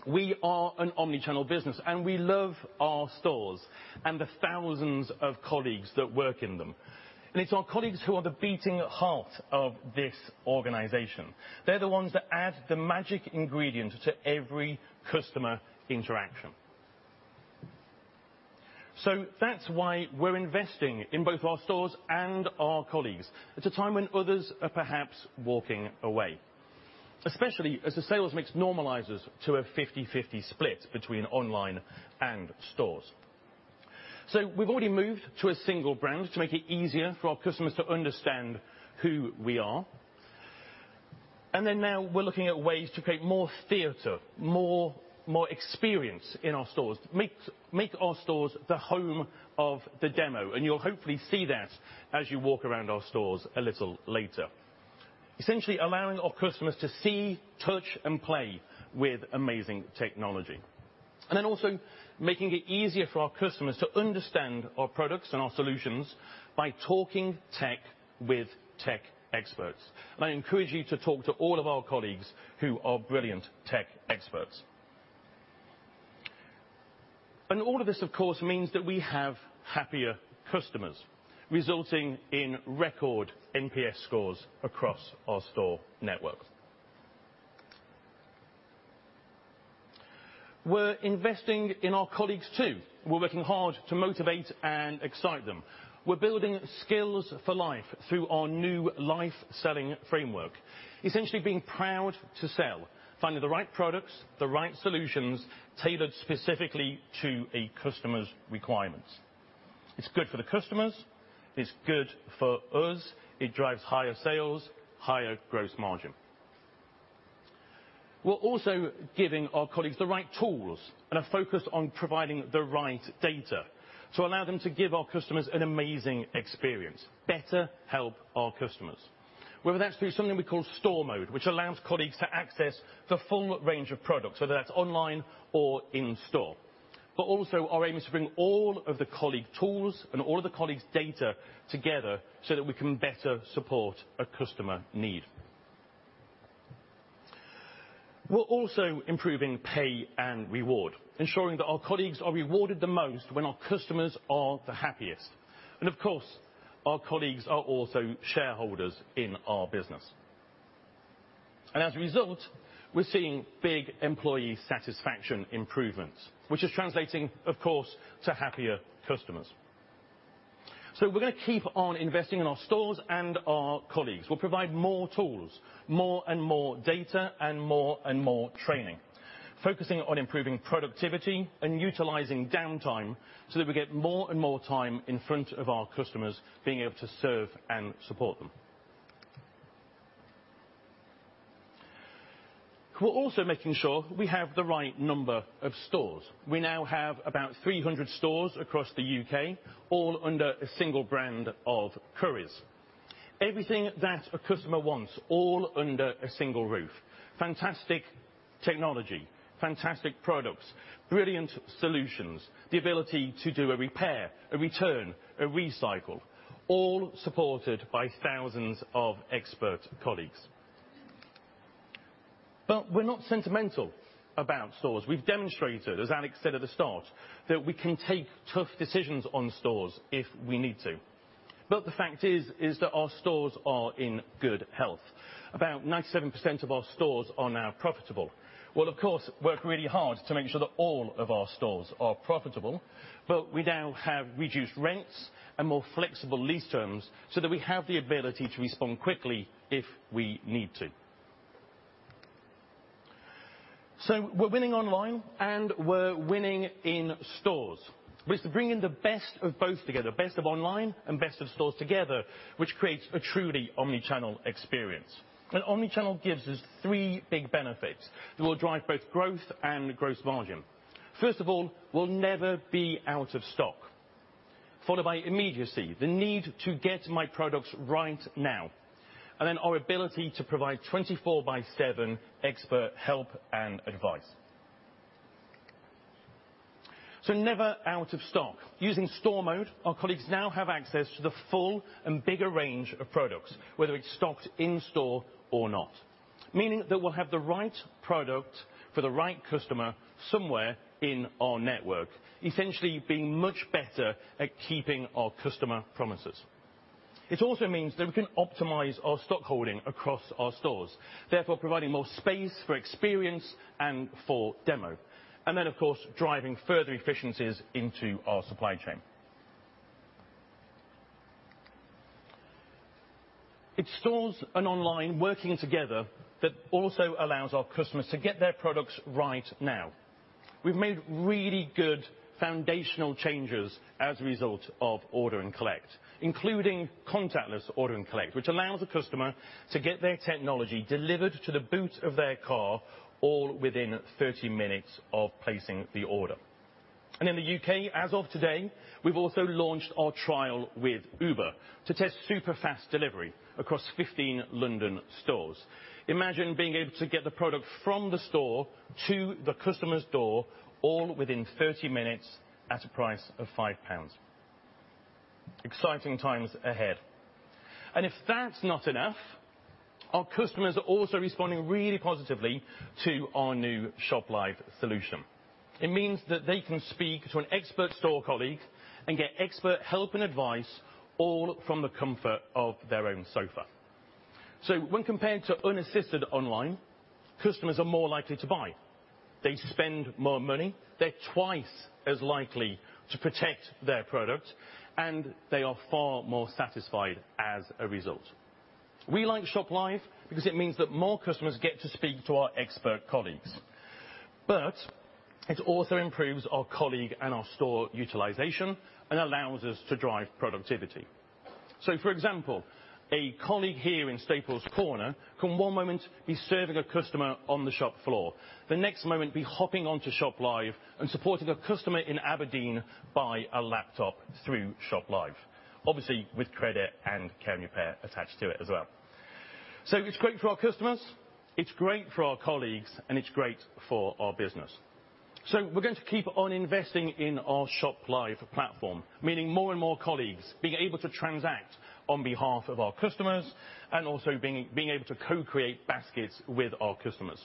we are an omni-channel business, and we love our stores and the thousands of colleagues that work in them. It's our colleagues who are the beating heart of this organization. They're the ones that add the magic ingredient to every customer interaction. That's why we're investing in both our stores and our colleagues at a time when others are perhaps walking away, especially as the sales mix normalizes to a 50/50 split between online and stores. We've already moved to a single brand to make it easier for our customers to understand who we are. Now we're looking at ways to create more theater, more experience in our stores, make our stores the home of the demo. You'll hopefully see that as you walk around our stores a little later. Essentially, allowing our customers to see, touch, and play with amazing technology. Then also making it easier for our customers to understand our products and our solutions by talking tech with tech experts. I encourage you to talk to all of our colleagues who are brilliant tech experts. All of this, of course, means that we have happier customers, resulting in record NPS scores across our store network. We're investing in our colleagues, too. We're working hard to motivate and excite them. We're building skills for life through our new Life Selling framework, essentially being proud to sell, finding the right products, the right solutions, tailored specifically to a customer's requirements. It's good for the customers, it's good for us, it drives higher sales, higher gross margin. We're also giving our colleagues the right tools and a focus on providing the right data to allow them to give our customers an amazing experience, better help our customers. Whether that's through something we call Store Mode, which allows colleagues to access the full range of products, whether that's online or in store. Also our aim is to bring all of the colleague tools and all of the colleagues' data together so that we can better support a customer need. We're also improving pay and reward, ensuring that our colleagues are rewarded the most when our customers are the happiest. Of course, our colleagues are also shareholders in our business. As a result, we're seeing big employee satisfaction improvements, which is translating, of course, to happier customers. We're gonna keep on investing in our stores and our colleagues. We'll provide more tools, more and more data, and more and more training, focusing on improving productivity and utilizing downtime so that we get more and more time in front of our customers being able to serve and support them. We're also making sure we have the right number of stores. We now have about 300 stores across the U.K., all under a single brand of Currys. Everything that a customer wants, all under a single roof. Fantastic technology, fantastic products, brilliant solutions, the ability to do a repair, a return, a recycle, all supported by thousands of expert colleagues. We're not sentimental about stores. We've demonstrated, as Alex said at the start, that we can take tough decisions on stores if we need to. The fact is that our stores are in good health. About 97% of our stores are now profitable. We'll of course work really hard to make sure that all of our stores are profitable, but we now have reduced rents and more flexible lease terms so that we have the ability to respond quickly if we need to. We're winning online, and we're winning in stores. It's bringing the best of both together, best of online and best of stores together, which creates a truly omni-channel experience. An omni-channel gives us three big benefits that will drive both growth and gross margin. First of all, we'll never be out of stock. Followed by immediacy, the need to get my products right now. Then our ability to provide 24/7 expert help and advice. Never out of stock. Using Store Mode, our colleagues now have access to the full and bigger range of products, whether it's stocked in store or not. Meaning that we'll have the right product for the right customer somewhere in our network, essentially being much better at keeping our customer promises. It also means that we can optimize our stock holding across our stores, therefore providing more space for experience and for demo, of course driving further efficiencies into our supply chain. It's stores and online working together that also allows our customers to get their products right now. We've made really good foundational changes as a result of order and collect, including contactless order and collect, which allows a customer to get their technology delivered to the boot of their car all within 30 minutes of placing the order. In the U.K., as of today, we've also launched our trial with Uber to test super fast delivery across 15 London stores. Imagine being able to get the product from the store to the customer's door all within 30 minutes at a price of 5 pounds. Exciting times ahead. If that's not enough, our customers are also responding really positively to our new ShopLive solution. It means that they can speak to an expert store colleague and get expert help and advice all from the comfort of their own sofa. When compared to unassisted online, customers are more likely to buy. They spend more money. They're twice as likely to protect their product, and they are far more satisfied as a result. We like ShopLive because it means that more customers get to speak to our expert colleagues. It also improves our colleague and our store utilization and allows us to drive productivity. For example, a colleague here in Staples Corner can one moment be serving a customer on the shop floor, the next moment be hopping onto ShopLive and supporting a customer in Aberdeen buy a laptop through ShopLive, obviously with credit and care and repair attached to it as well. It's great for our customers, it's great for our colleagues, and it's great for our business. We're going to keep on investing in our ShopLive platform, meaning more and more colleagues being able to transact on behalf of our customers and also being able to co-create baskets with our customers.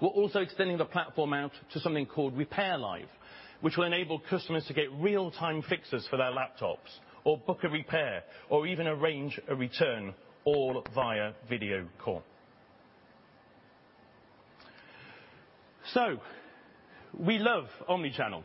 We're also extending the platform out to something called RepairLive, which will enable customers to get real-time fixes for their laptops, or book a repair, or even arrange a return, all via video call. We love omnichannel.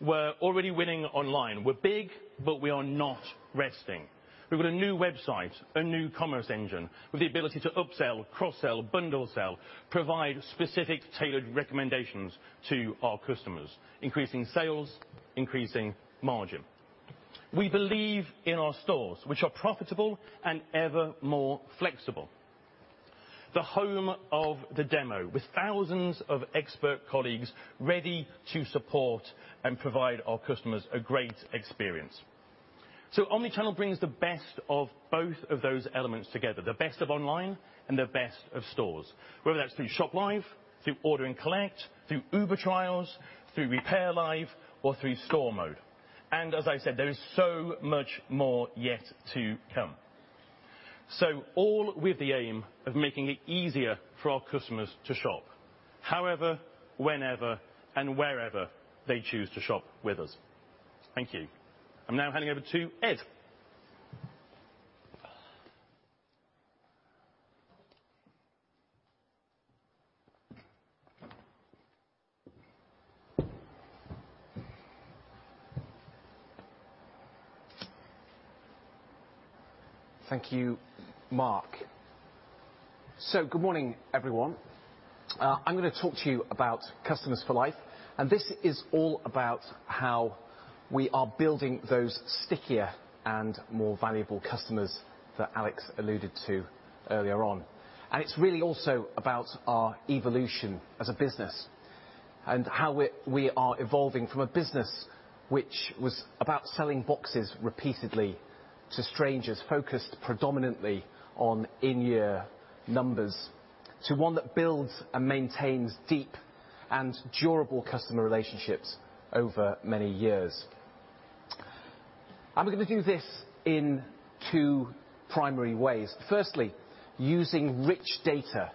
We're already winning online. We're big, but we are not resting. We've got a new website, a new commerce engine with the ability to upsell, cross-sell, bundle sell, provide specific tailored recommendations to our customers, increasing sales, increasing margin. We believe in our stores, which are profitable and ever more flexible. The home of the demo, with thousands of expert colleagues ready to support and provide our customers a great experience. Omni-channel brings the best of both of those elements together, the best of online and the best of stores, whether that's through ShopLive, through order and collect, through Uber trials, through RepairLive, or through Store Mode. As I said, there is so much more yet to come. All with the aim of making it easier for our customers to shop however, whenever, and wherever they choose to shop with us. Thank you. I'm now handing over to Ed. Thank you, Mark. Good morning, everyone. I'm gonna talk to you about Customers for Life, and this is all about how we are building those stickier and more valuable customers that Alex alluded to earlier on. It's really also about our evolution as a business and how we're evolving from a business which was about selling boxes repeatedly to strangers focused predominantly on in-year numbers, to one that builds and maintains deep and durable customer relationships over many years. We're gonna do this in two primary ways. Firstly, using rich data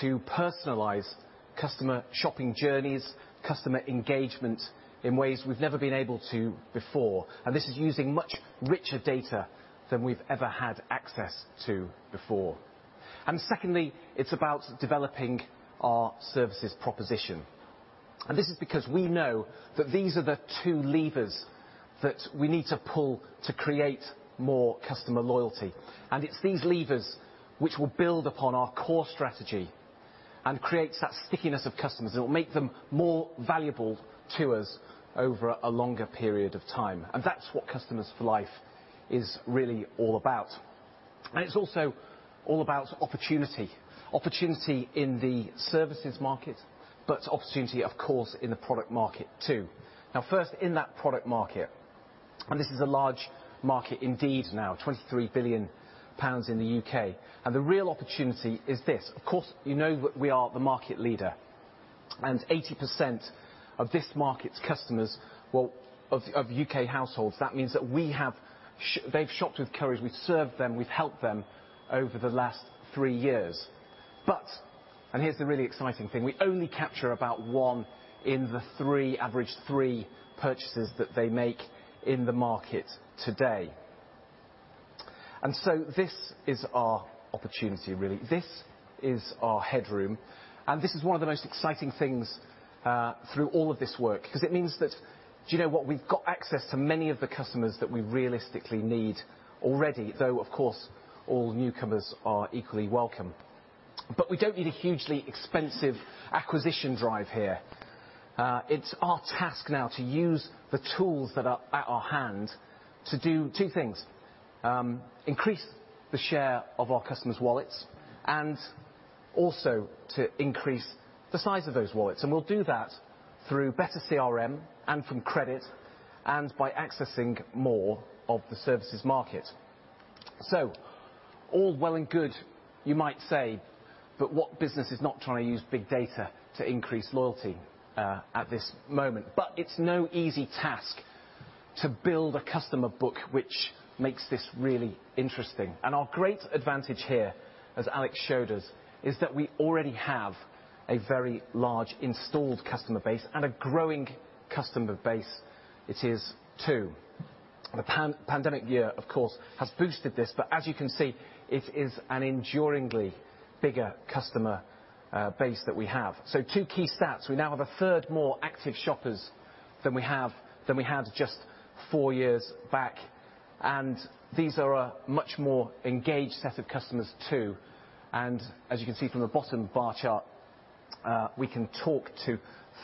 to personalize customer shopping journeys, customer engagement in ways we've never been able to before. This is using much richer data than we've ever had access to before. Secondly, it's about developing our services proposition. This is because we know that these are the two levers that we need to pull to create more customer loyalty. It's these levers which will build upon our core strategy and creates that stickiness of customers. It will make them more valuable to us over a longer period of time. That's what Customers for Life is really all about. It's also all about opportunity. Opportunity in the services market, but opportunity, of course, in the product market too. Now, first, in that product market. This is a large market indeed now, 23 billion pounds in the U.K. The real opportunity is this. Of course, you know that we are the market leader and 80% of this market's customers, well, of U.K. households, that means that they've shopped with Currys, we've served them, we've helped them over the last three years. Here's the really exciting thing, we only capture about one in the three, average three purchases that they make in the market today. This is our opportunity really. This is our headroom, and this is one of the most exciting things through all of this work, 'cause it means that do you know what? We've got access to many of the customers that we realistically need already, though of course, all newcomers are equally welcome. We don't need a hugely expensive acquisition drive here. It's our task now to use the tools that are at hand to do two things, increase the share of our customers' wallets and also to increase the size of those wallets. We'll do that through better CRM and from credit and by accessing more of the services market. All well and good you might say, but what business is not trying to use big data to increase loyalty at this moment? It's no easy task to build a customer book, which makes this really interesting. Our great advantage here, as Alex showed us, is that we already have a very large installed customer base and a growing customer base it is too. The post-pandemic year, of course, has boosted this, but as you can see, it is an enduringly bigger customer base that we have. Two key stats. We now have a third more active shoppers than we have, than we had just four years back. These are a much more engaged set of customers too. As you can see from the bottom bar chart, we can talk to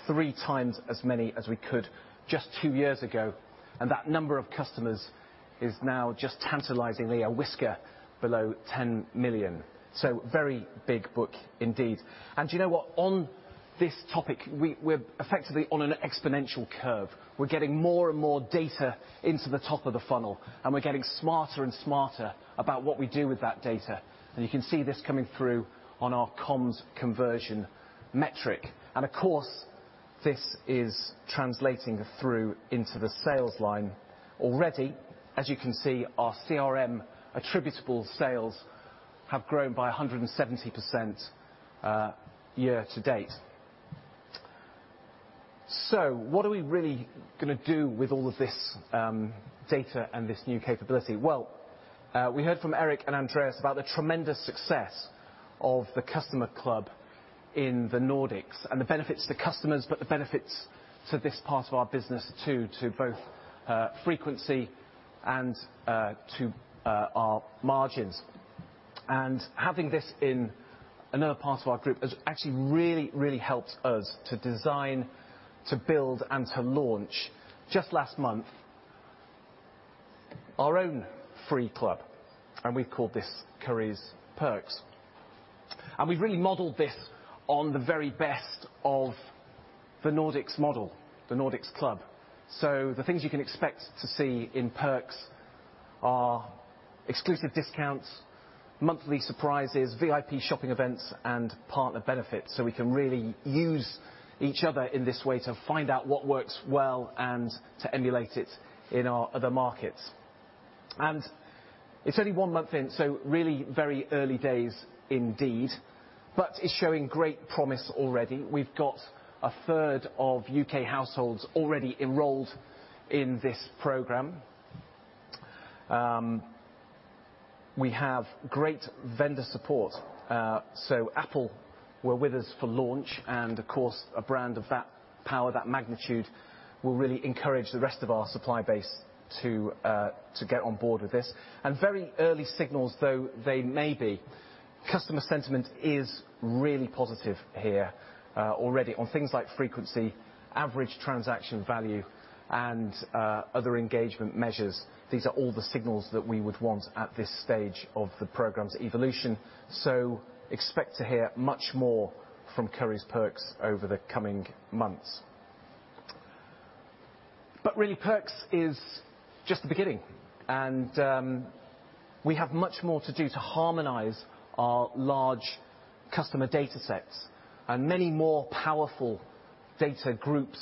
three times as many as we could just two years ago, and that number of customers is now just tantalizingly a whisker below 10 million. Very big book indeed. Do you know what? On this topic, we're effectively on an exponential curve. We're getting more and more data into the top of the funnel, and we're getting smarter and smarter about what we do with that data. You can see this coming through on our comms conversion metric. Of course, this is translating through into the sales line already. As you can see, our CRM attributable sales have grown by 170%, year to date. What are we really gonna do with all of this data and this new capability? Well, we heard from Erik and Andreas about the tremendous success of the customer club in the Nordics and the benefits to customers, but the benefits to this part of our business too, to both frequency and our margins. Having this in another part of our group has actually really helped us to design, to build, and to launch just last month our own free club, and we've called this Currys Perks. We've really modeled this on the very best of the Nordics model, the Nordics Club. The things you can expect to see in Perks are exclusive discounts, monthly surprises, VIP shopping events, and partner benefits. We can really use each other in this way to find out what works well and to emulate it in our other markets. It's only one month in, so really very early days indeed, but it's showing great promise already. We've got a third of U.K. households already enrolled in this program. We have great vendor support. Apple were with us for launch, and of course, a brand of that power, that magnitude, will really encourage the rest of our supply base to get on board with this. Very early signals, though they may be, customer sentiment is really positive here already on things like frequency, average transaction value, and other engagement measures. These are all the signals that we would want at this stage of the program's evolution. Expect to hear much more from Currys Perks over the coming months. Really, Perks is just the beginning and we have much more to do to harmonize our large customer data sets and many more powerful data groups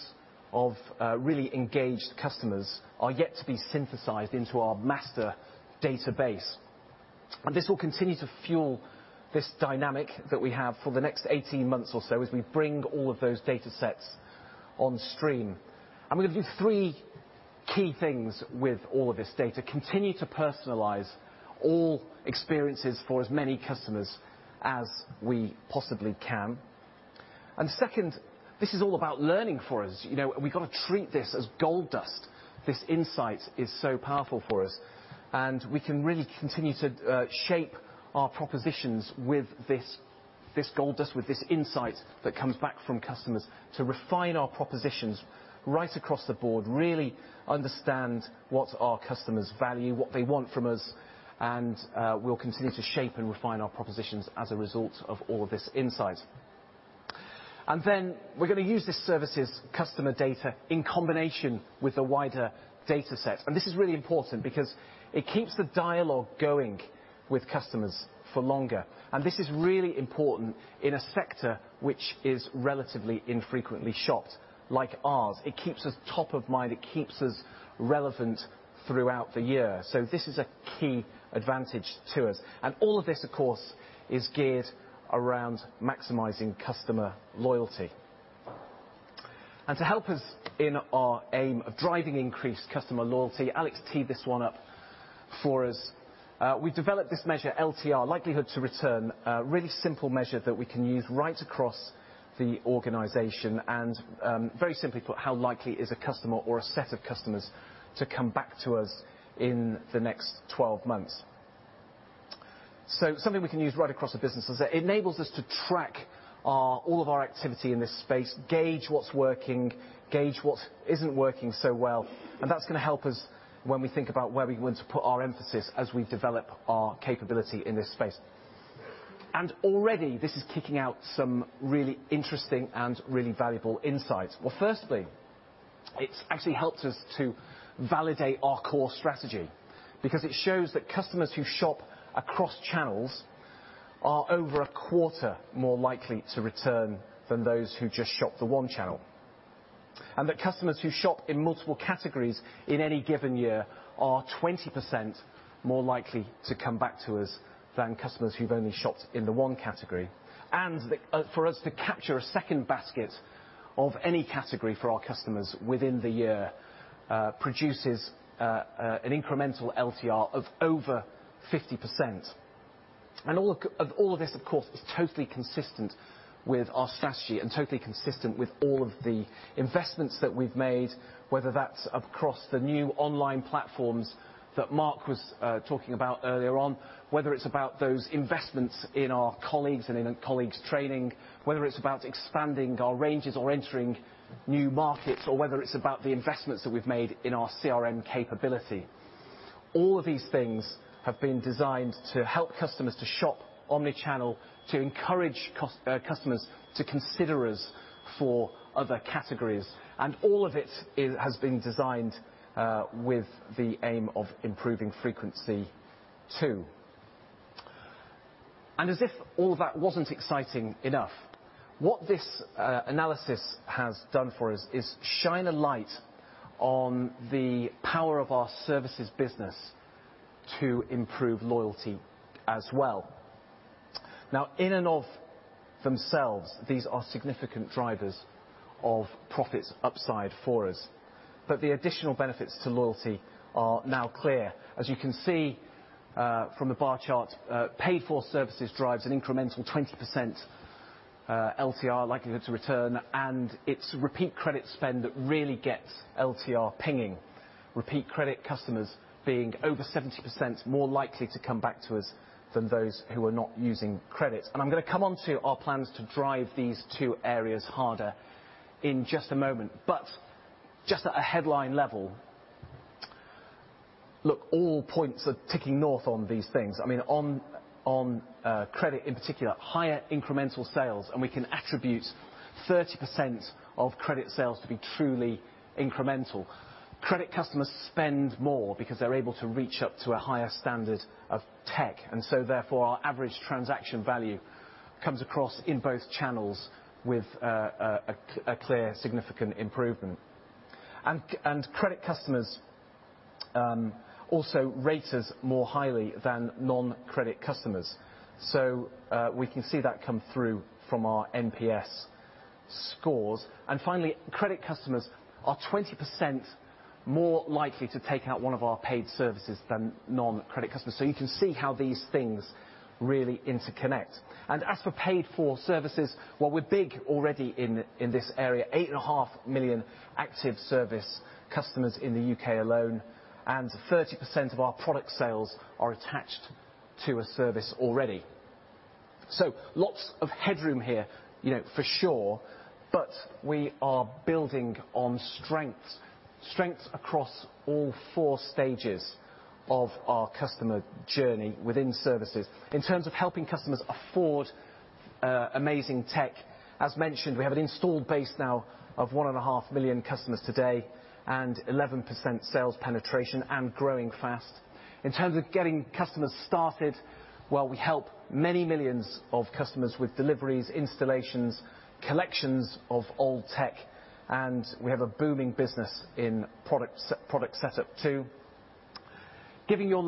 of really engaged customers are yet to be synthesized into our master database. This will continue to fuel this dynamic that we have for the next 18 months or so as we bring all of those data sets on stream. We're gonna do three key things with all of this data, continue to personalize all experiences for as many customers as we possibly can. Second, this is all about learning for us. You know, we've got to treat this as gold dust. This insight is so powerful for us, and we can really continue to shape our propositions with this gold dust, with this insight that comes back from customers to refine our propositions right across the board, really understand what our customers value, what they want from us, and we'll continue to shape and refine our propositions as a result of all of this insight. Then we're gonna use this services customer data in combination with the wider data set. This is really important because it keeps the dialogue going with customers for longer. This is really important in a sector which is relatively infrequently shopped, like ours. It keeps us top of mind. It keeps us relevant throughout the year. This is a key advantage to us. All of this, of course, is geared around maximizing customer loyalty. To help us in our aim of driving increased customer loyalty, Alex teed this one up for us. We developed this measure LTR, likelihood to return, a really simple measure that we can use right across the organization and, very simply put how likely is a customer or a set of customers to come back to us in the next 12 months. Something we can use right across the business. It enables us to track our, all of our activity in this space, gauge what's working, gauge what isn't working so well, and that's gonna help us when we think about where we want to put our emphasis as we develop our capability in this space. Already this is kicking out some really interesting and really valuable insights. Well, firstly, it's actually helped us to validate our core strategy because it shows that customers who shop across channels are over a quarter more likely to return than those who just shopped the one channel. That customers who shop in multiple categories in any given year are 20% more likely to come back to us than customers who've only shopped in the one category. For us to capture a second basket of any category for our customers within the year produces an incremental LTR of over 50%. All of this, of course, is totally consistent with our strategy and totally consistent with all of the investments that we've made, whether that's across the new online platforms that Mark was talking about earlier on, whether it's about those investments in our colleagues and in colleagues' training, whether it's about expanding our ranges or entering new markets, or whether it's about the investments that we've made in our CRM capability. All of these things have been designed to help customers to shop omni-channel, to encourage customers to consider us for other categories, and all of it has been designed with the aim of improving frequency too. As if all that wasn't exciting enough, what this analysis has done for us is shine a light on the power of our services business to improve loyalty as well. Now, in and of themselves, these are significant drivers of profits upside for us, but the additional benefits to loyalty are now clear. As you can see from the bar chart, pay-for services drives an incremental 20%, LTR, likelihood to return, and it's repeat credit spend that really gets LTR pinging. Repeat credit customers being over 70% more likely to come back to us than those who are not using credit. I'm gonna come on to our plans to drive these two areas harder in just a moment, but just at a headline level, look, all points are ticking north on these things. I mean, on credit in particular, higher incremental sales, and we can attribute 30% of credit sales to be truly incremental. Credit customers spend more because they're able to reach up to a higher standard of tech, and so therefore our average transaction value comes across in both channels with a clear, significant improvement. Credit customers also rate us more highly than non-credit customers. We can see that come through from our NPS scores. Finally, credit customers are 20% more likely to take out one of our paid services than non-credit customers. You can see how these things really interconnect. As for paid-for services, well, we're big already in this area, 8.5 million active service customers in the U.K. alone, and 30% of our product sales are attached to a service already. Lots of headroom here, you know, for sure, but we are building on strengths across all four stages of our customer journey within services. In terms of helping customers afford amazing tech, as mentioned, we have an installed base now of 1.5 million customers today and 11% sales penetration and growing fast. In terms of getting customers started, well, we help many millions of customers with deliveries, installations, collections of old tech, and we have a booming business in product setup too. Giving your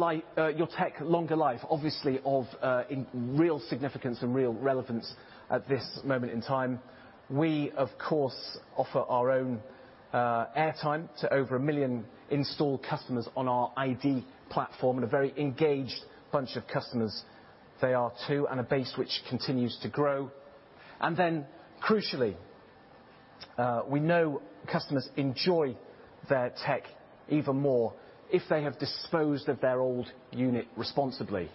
tech longer life, obviously of real significance and real relevance at this moment in time, we, of course, offer our own airtime to over 1 million installed customers on our ID platform, and a very engaged bunch of customers they are too, and a base which continues to grow. Then crucially, we know customers enjoy their tech even more if they have disposed of their old unit responsibly.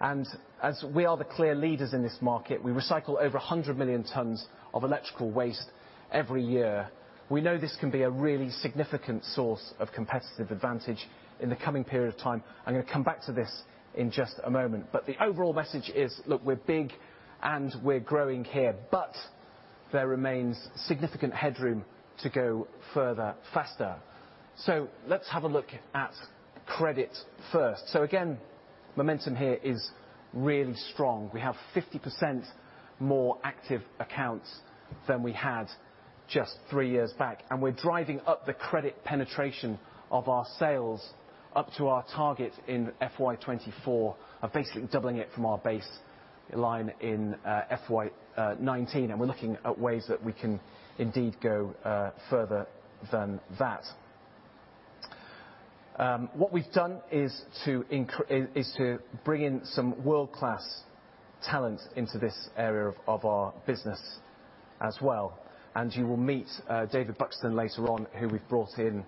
As we are the clear leaders in this market, we recycle over 100 million tons of electrical waste every year. We know this can be a really significant source of competitive advantage in the coming period of time. I'm gonna come back to this in just a moment. The overall message is, look, we're big and we're growing here, but there remains significant headroom to go further, faster. Let's have a look at credit first. Again, momentum here is really strong. We have 50% more active accounts than we had just three years back, and we're driving up the credit penetration of our sales up to our target in FY 2024. Basically doubling it from our base line in FY 2019. We're looking at ways that we can, indeed, go further than that. What we've done is to bring in some world-class talent into this area of our business as well, and you will meet David Buxton later on, who we've brought in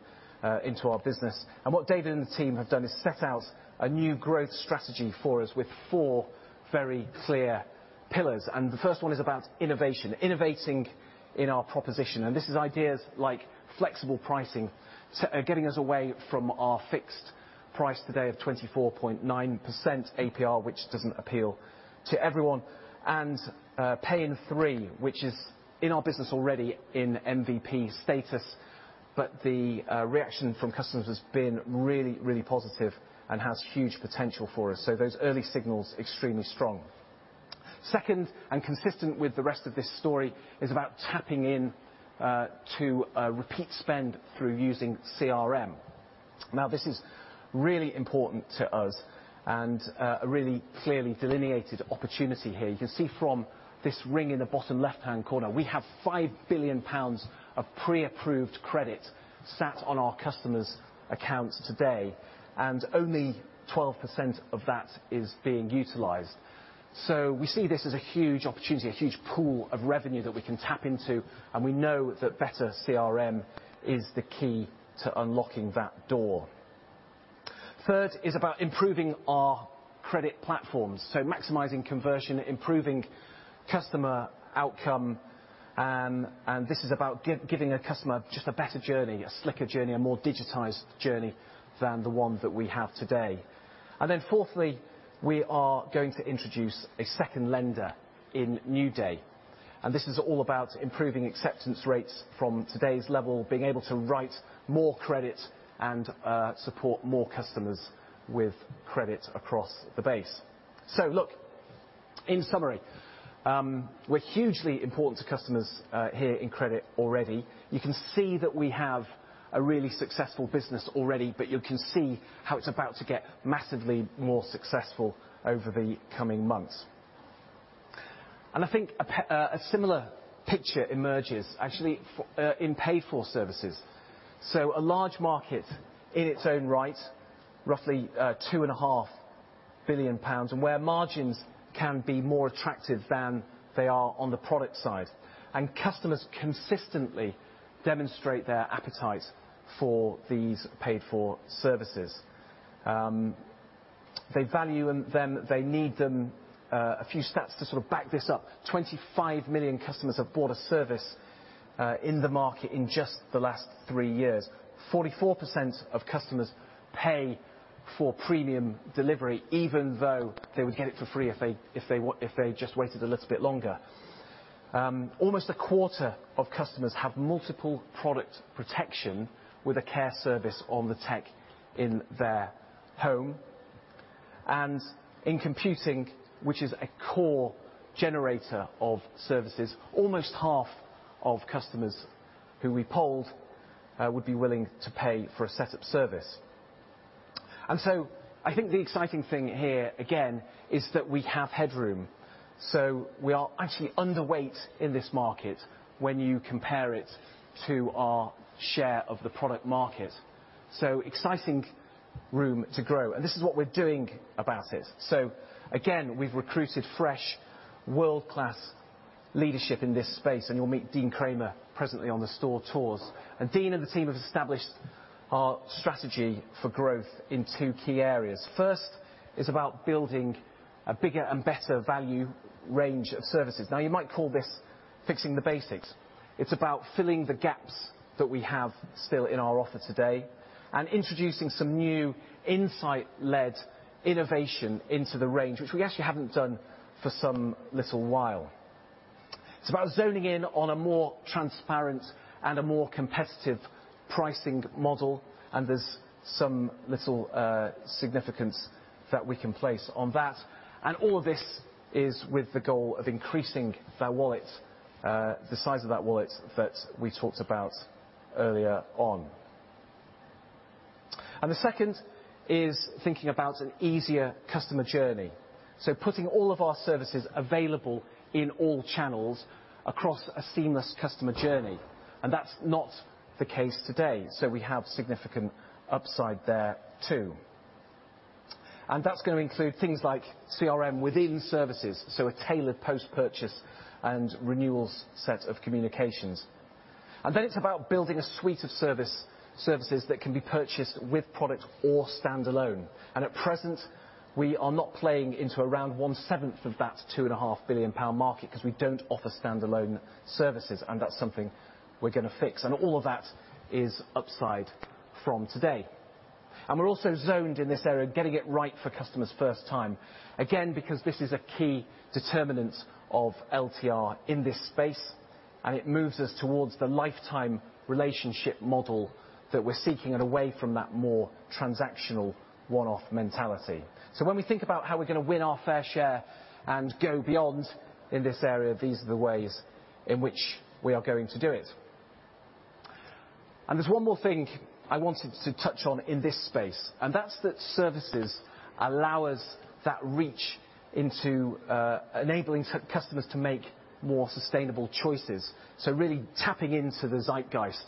into our business. What David and the team have done is set out a new growth strategy for us with four very clear pillars. The first one is about innovation, innovating in our proposition, and this is ideas like flexible pricing getting us away from our fixed price today of 24.9% APR, which doesn't appeal to everyone. Pay in 3, which is in our business already in MVP status, but the reaction from customers has been really, really positive and has huge potential for us. Those early signals are extremely strong. Second, and consistent with the rest of this story, is about tapping in to repeat spend through using CRM. Now, this is really important to us and a really clearly delineated opportunity here. You can see from this ring in the bottom left-hand corner, we have 5 billion pounds of pre-approved credit sat on our customers' accounts today, and only 12% of that is being utilized. We see this as a huge opportunity, a huge pool of revenue that we can tap into, and we know that better CRM is the key to unlocking that door. Third is about improving our credit platforms, so maximizing conversion, improving customer outcome, and this is about giving a customer just a better journey, a slicker journey, a more digitized journey than the one that we have today. Fourthly, we are going to introduce a second lender in NewDay, and this is all about improving acceptance rates from today's level, being able to write more credit, and support more customers with credit across the base. Look, in summary, we're hugely important to customers here in credit already. You can see that we have a really successful business already, but you can see how it's about to get massively more successful over the coming months. I think a similar picture emerges actually in paid-for services. A large market in its own right, roughly 2.5 billion pounds, and where margins can be more attractive than they are on the product side. Customers consistently demonstrate their appetite for these paid-for services. They value them, they need them. A few stats to sort of back this up. 25 million customers have bought a service in the market in just the last three years. 44% of customers pay for premium delivery, even though they would get it for free if they just waited a little bit longer. Almost a quarter of customers have multiple product protection with a care service on the tech in their home. In computing, which is a core generator of services, almost half of customers who we polled would be willing to pay for a setup service. I think the exciting thing here, again, is that we have headroom. We are actually underweight in this market when you compare it to our share of the product market. Exciting room to grow, and this is what we're doing about it. Again, we've recruited fresh, world-class leadership in this space, and you'll meet Dean Kramer presently on the store tours. Dean and the team have established our strategy for growth in two key areas. First is about building a bigger and better value range of services. Now, you might call this fixing the basics. It's about filling the gaps that we have still in our offer today and introducing some new insight-led innovation into the range, which we actually haven't done for some little while. It's about zoning in on a more transparent and a more competitive pricing model, and there's some little significance that we can place on that. All of this is with the goal of increasing that wallet, the size of that wallet that we talked about earlier on. The second is thinking about an easier customer journey. Putting all of our services available in all channels across a seamless customer journey, and that's not the case today. We have significant upside there too. That's gonna include things like CRM within services, so a tailored post-purchase and renewals set of communications. Then it's about building a suite of services that can be purchased with product or standalone. At present, we are not playing into around 1/7 of that 2.5 billion pound market 'cause we don't offer standalone services, and that's something we're gonna fix. All of that is upside from today. We're also zoned in this area, getting it right for customers first time, again, because this is a key determinant of LTR in this space, and it moves us towards the lifetime relationship model that we're seeking and away from that more transactional one-off mentality. When we think about how we're gonna win our fair share and go beyond in this area, these are the ways in which we are going to do it. There's one more thing I wanted to touch on in this space, and that's that services allow us that reach into enabling customers to make more sustainable choices, so really tapping into the zeitgeist.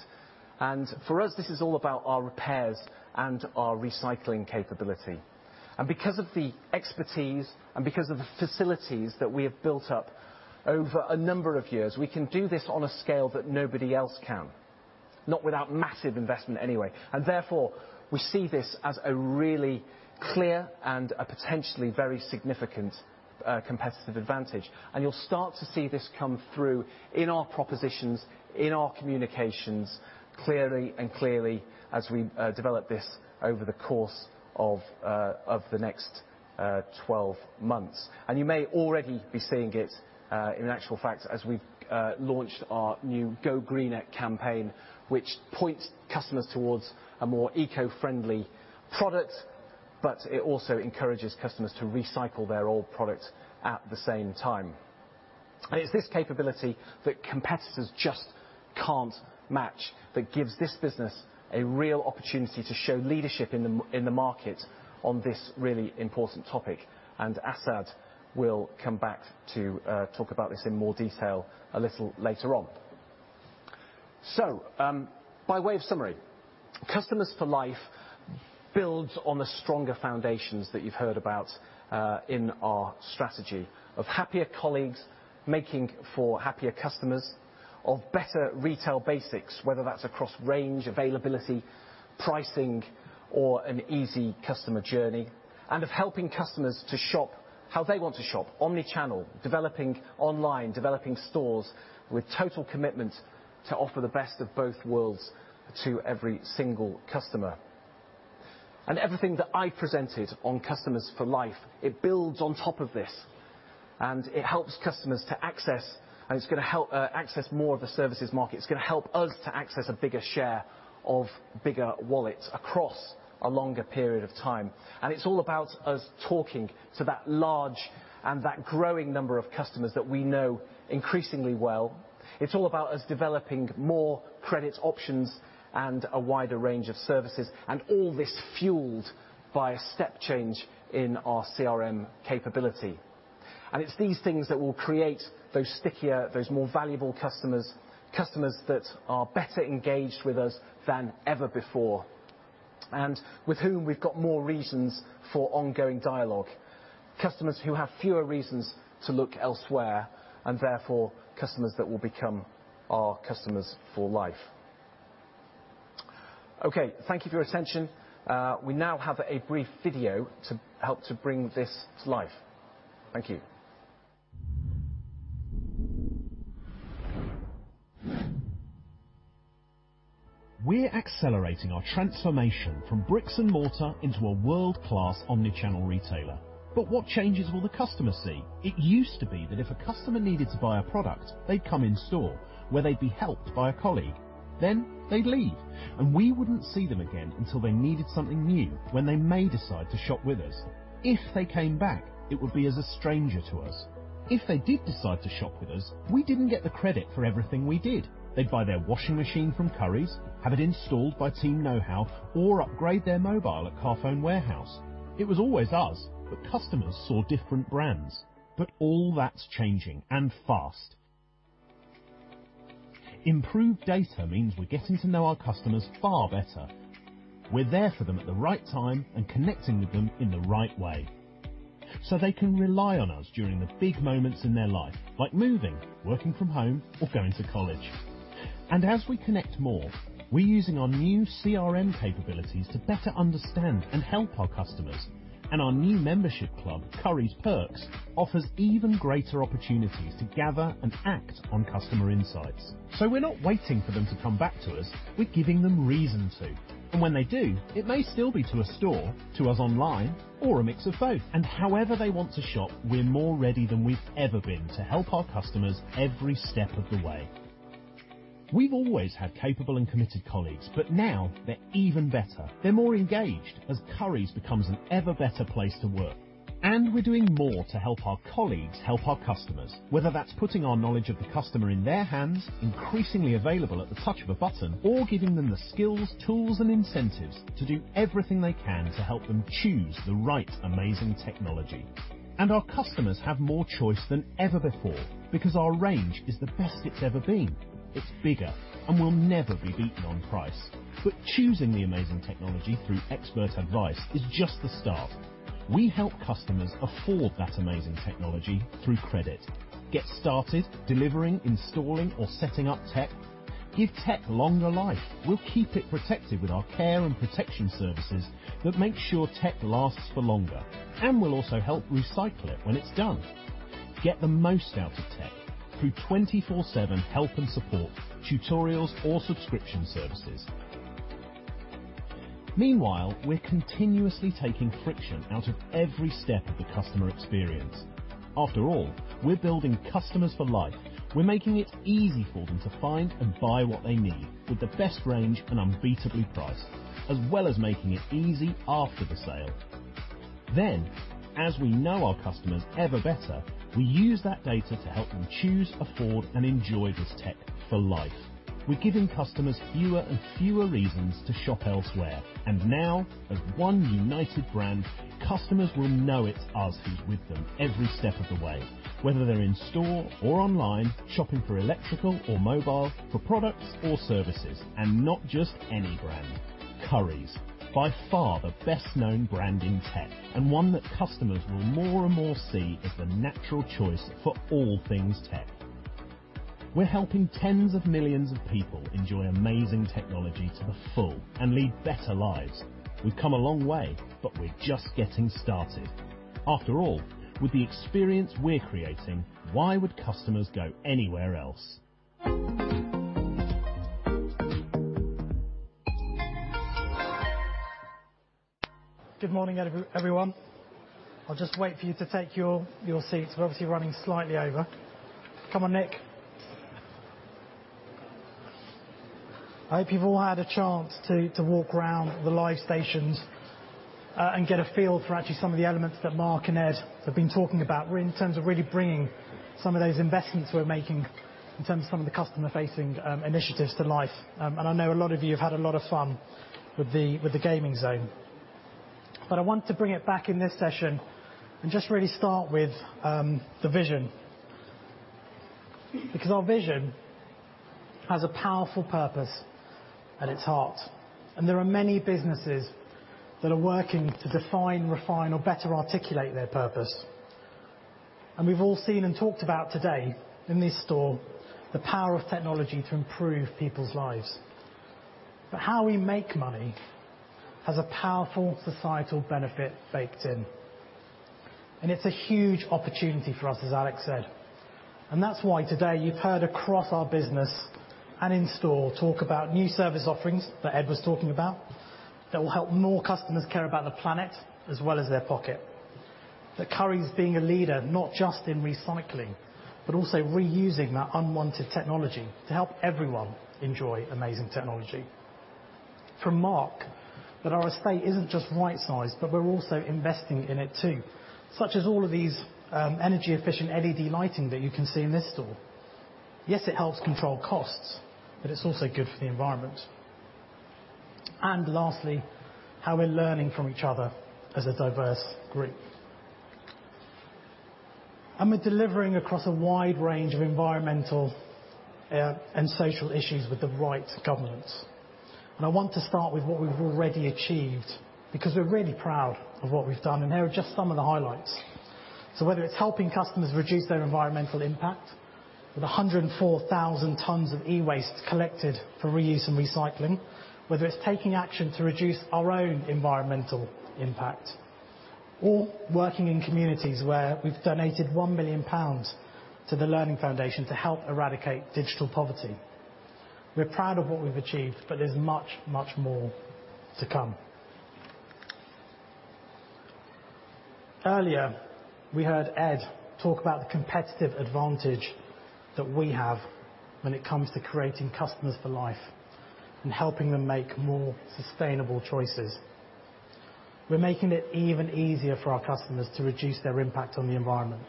For us, this is all about our repairs and our recycling capability. Because of the expertise and because of the facilities that we have built up over a number of years, we can do this on a scale that nobody else can. Not without massive investment anyway. Therefore, we see this as a really clear and a potentially very significant competitive advantage. You'll start to see this come through in our propositions, in our communications clearly as we develop this over the course of the next 12 months. You may already be seeing it in actual fact, as we've launched our new Go Greener campaign, which points customers towards a more eco-friendly product, but it also encourages customers to recycle their old product at the same time. It's this capability that competitors just can't match that gives this business a real opportunity to show leadership in the market on this really important topic, and Asad will come back to talk about this in more detail a little later on. By way of summary, Customers for Life builds on the stronger foundations that you've heard about in our strategy of happier colleagues making for happier customers, of better retail basics, whether that's across range, availability, pricing, or an easy customer journey, and of helping customers to shop how they want to shop, omni-channel, developing online, developing stores with total commitment to offer the best of both worlds to every single customer. Everything that I presented on Customers for Life, it builds on top of this, and it helps customers to access, and it's gonna help access more of the services market. It's gonna help us to access a bigger share of bigger wallets across a longer period of time. It's all about us talking to that large and that growing number of customers that we know increasingly well. It's all about us developing more credit options and a wider range of services, and all this fueled by a step change in our CRM capability. It's these things that will create those stickier, those more valuable customers that are better engaged with us than ever before and with whom we've got more reasons for ongoing dialogue, customers who have fewer reasons to look elsewhere and therefore customers that will become our Customers for Life. Okay. Thank you for your attention. We now have a brief video to help to bring this to life. Thank you. We're accelerating our transformation from bricks and mortar into a world-class omni-channel retailer. What changes will the customer see? It used to be that if a customer needed to buy a product, they'd come in store where they'd be helped by a colleague, then they'd leave, and we wouldn't see them again until they needed something new when they may decide to shop with us. If they came back, it would be as a stranger to us. If they did decide to shop with us, we didn't get the credit for everything we did. They'd buy their washing machine from Currys, have it installed by Team Knowhow, or upgrade their mobile at Carphone Warehouse. It was always us, but customers saw different brands. All that's changing, and fast. Improved data means we're getting to know our customers far better. We're there for them at the right time and connecting with them in the right way, so they can rely on us during the big moments in their life, like moving, working from home, or going to college. As we connect more, we're using our new CRM capabilities to better understand and help our customers. Our new membership club, Currys Perks, offers even greater opportunities to gather and act on customer insights. We're not waiting for them to come back to us, we're giving them reason to. When they do, it may still be to a store, to us online, or a mix of both. However they want to shop, we're more ready than we've ever been to help our customers every step of the way. We've always had capable and committed colleagues, but now they're even better. They're more engaged as Currys becomes an ever better place to work. We're doing more to help our colleagues help our customers, whether that's putting our knowledge of the customer in their hands, increasingly available at the touch of a button, or giving them the skills, tools, and incentives to do everything they can to help them choose the right, amazing technology. Our customers have more choice than ever before because our range is the best it's ever been. It's bigger and will never be beaten on price. Choosing the amazing technology through expert advice is just the start. We help customers afford that amazing technology through credit, get started delivering, installing, or setting up tech, give tech longer life. We'll keep it protected with our care and protection services that make sure tech lasts for longer, and we'll also help recycle it when it's done. Get the most out of tech through twenty-four seven help and support, tutorials or subscription services. Meanwhile, we're continuously taking friction out of every step of the customer experience. After all, we're building Customers for Life. We're making it easy for them to find and buy what they need with the best range and unbeatably priced, as well as making it easy after the sale. Then, as we know our customers ever better, we use that data to help them choose, afford and enjoy this tech for life. We're giving customers fewer and fewer reasons to shop elsewhere. Now, as one united brand, customers will know it's us who's with them every step of the way, whether they're in store or online, shopping for electrical or mobile, for products or services. Not just any brand. Currys, by far the best-known brand in tech and one that customers will more and more see as the natural choice for all things tech. We're helping tens of millions of people enjoy amazing technology to the full and lead better lives. We've come a long way, but we're just getting started. After all, with the experience we're creating, why would customers go anywhere else? Good morning, everyone. I'll just wait for you to take your seats. We're obviously running slightly over. Come on, Nick. I hope you've all had a chance to walk around the live stations and get a feel for actually some of the elements that Mark and Ed have been talking about in terms of really bringing some of those investments we're making in terms of some of the customer-facing initiatives to life. I know a lot of you have had a lot of fun with the gaming zone. But I want to bring it back in this session and just really start with the vision. Because our vision has a powerful purpose at its heart, and there are many businesses that are working to define, refine, or better articulate their purpose. We've all seen and talked about today in this store the power of technology to improve people's lives. How we make money has a powerful societal benefit baked in, and it's a huge opportunity for us, as Alex said. That's why today you've heard across our business and in store talk about new service offerings that Ed was talking about, that will help more customers care about the planet as well as their pocket. That Currys being a leader, not just in recycling, but also reusing that unwanted technology to help everyone enjoy amazing technology. From Mark, that our estate isn't just right sized, but we're also investing in it too, such as all of these, energy-efficient LED lighting that you can see in this store. Yes, it helps control costs, but it's also good for the environment. Lastly, how we're learning from each other as a diverse group. We're delivering across a wide range of environmental, and social issues with the right governance. I want to start with what we've already achieved, because we're really proud of what we've done, and here are just some of the highlights. Whether it's helping customers reduce their environmental impact, with 104,000 tons of e-waste collected for reuse and recycling, whether it's taking action to reduce our own environmental impact, or working in communities where we've donated 1 million pounds to the Learning Foundation to help eradicate digital poverty. We're proud of what we've achieved, but there's much, much more to come. Earlier, we heard Ed talk about the competitive advantage that we have when it comes to creating Customers for Life and helping them make more sustainable choices. We're making it even easier for our customers to reduce their impact on the environment,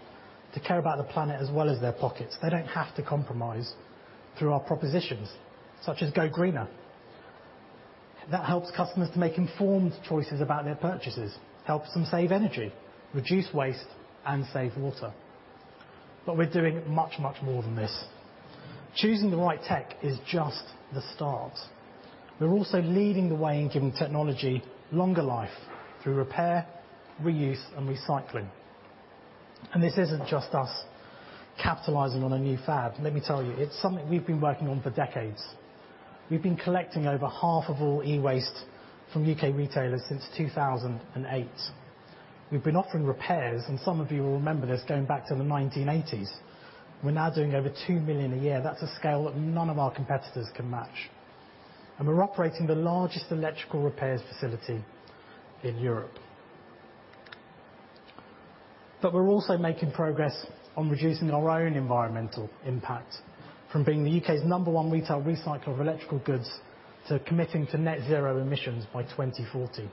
to care about the planet as well as their pockets. They don't have to compromise through our propositions, such as Go Greener. That helps customers to make informed choices about their purchases, helps them save energy, reduce waste, and save water. We're doing much, much more than this. Choosing the right tech is just the start. We're also leading the way in giving technology longer life through repair, reuse, and recycling. This isn't just us capitalizing on a new fad. Let me tell you, it's something we've been working on for decades. We've been collecting over half of all e-waste from U.K. retailers since 2008. We've been offering repairs, and some of you will remember this going back to the 1980s. We're now doing over 2 million a year. That's a scale that none of our competitors can match. We're operating the largest electrical repairs facility in Europe. We're also making progress on reducing our own environmental impact from being the U.K.'s number one retail recycler of electrical goods to committing to net zero emissions by 2040.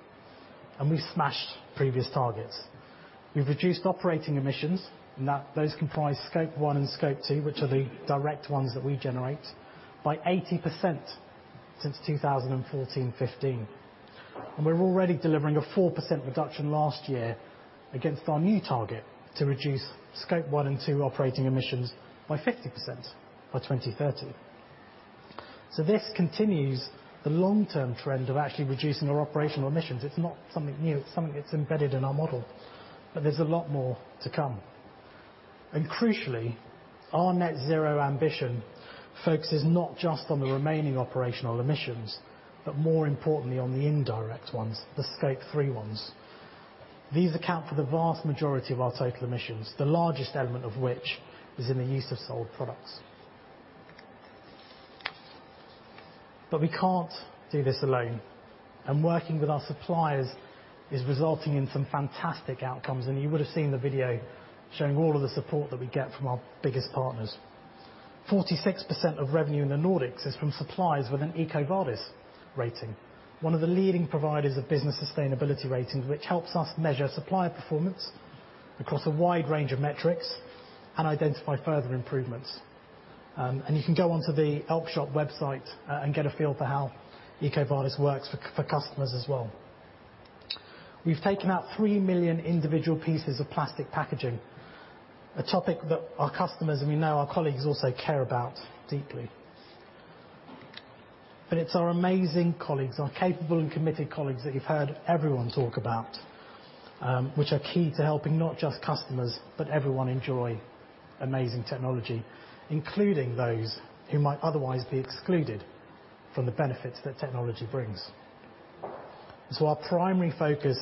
We've smashed previous targets. We've reduced operating emissions, and those comprise Scope 1 and Scope 2, which are the direct ones that we generate, by 80% since 2014-2015. We're already delivering a 4% reduction last year against our new target to reduce Scope 1 and Scope 2 operating emissions by 50% by 2030. This continues the long-term trend of actually reducing our operational emissions. It's not something new, it's something that's embedded in our model, but there's a lot more to come. Crucially, our net zero ambition focuses not just on the remaining operational emissions, but more importantly on the indirect ones, the Scope 3 ones. These account for the vast majority of our total emissions, the largest element of which is in the use of sold products. We can't do this alone, and working with our suppliers is resulting in some fantastic outcomes, and you would have seen the video showing all of the support that we get from our biggest partners. 46% of revenue in the Nordics is from suppliers with an EcoVadis rating, one of the leading providers of business sustainability ratings, which helps us measure supplier performance across a wide range of metrics and identify further improvements. You can go onto the Elkjøp website and get a feel for how EcoVadis works for customers as well. We've taken out 3 million individual pieces of plastic packaging, a topic that our customers and we know our colleagues also care about deeply. It's our amazing colleagues, our capable and committed colleagues that you've heard everyone talk about, which are key to helping not just customers, but everyone enjoy amazing technology, including those who might otherwise be excluded from the benefits that technology brings. Our primary focus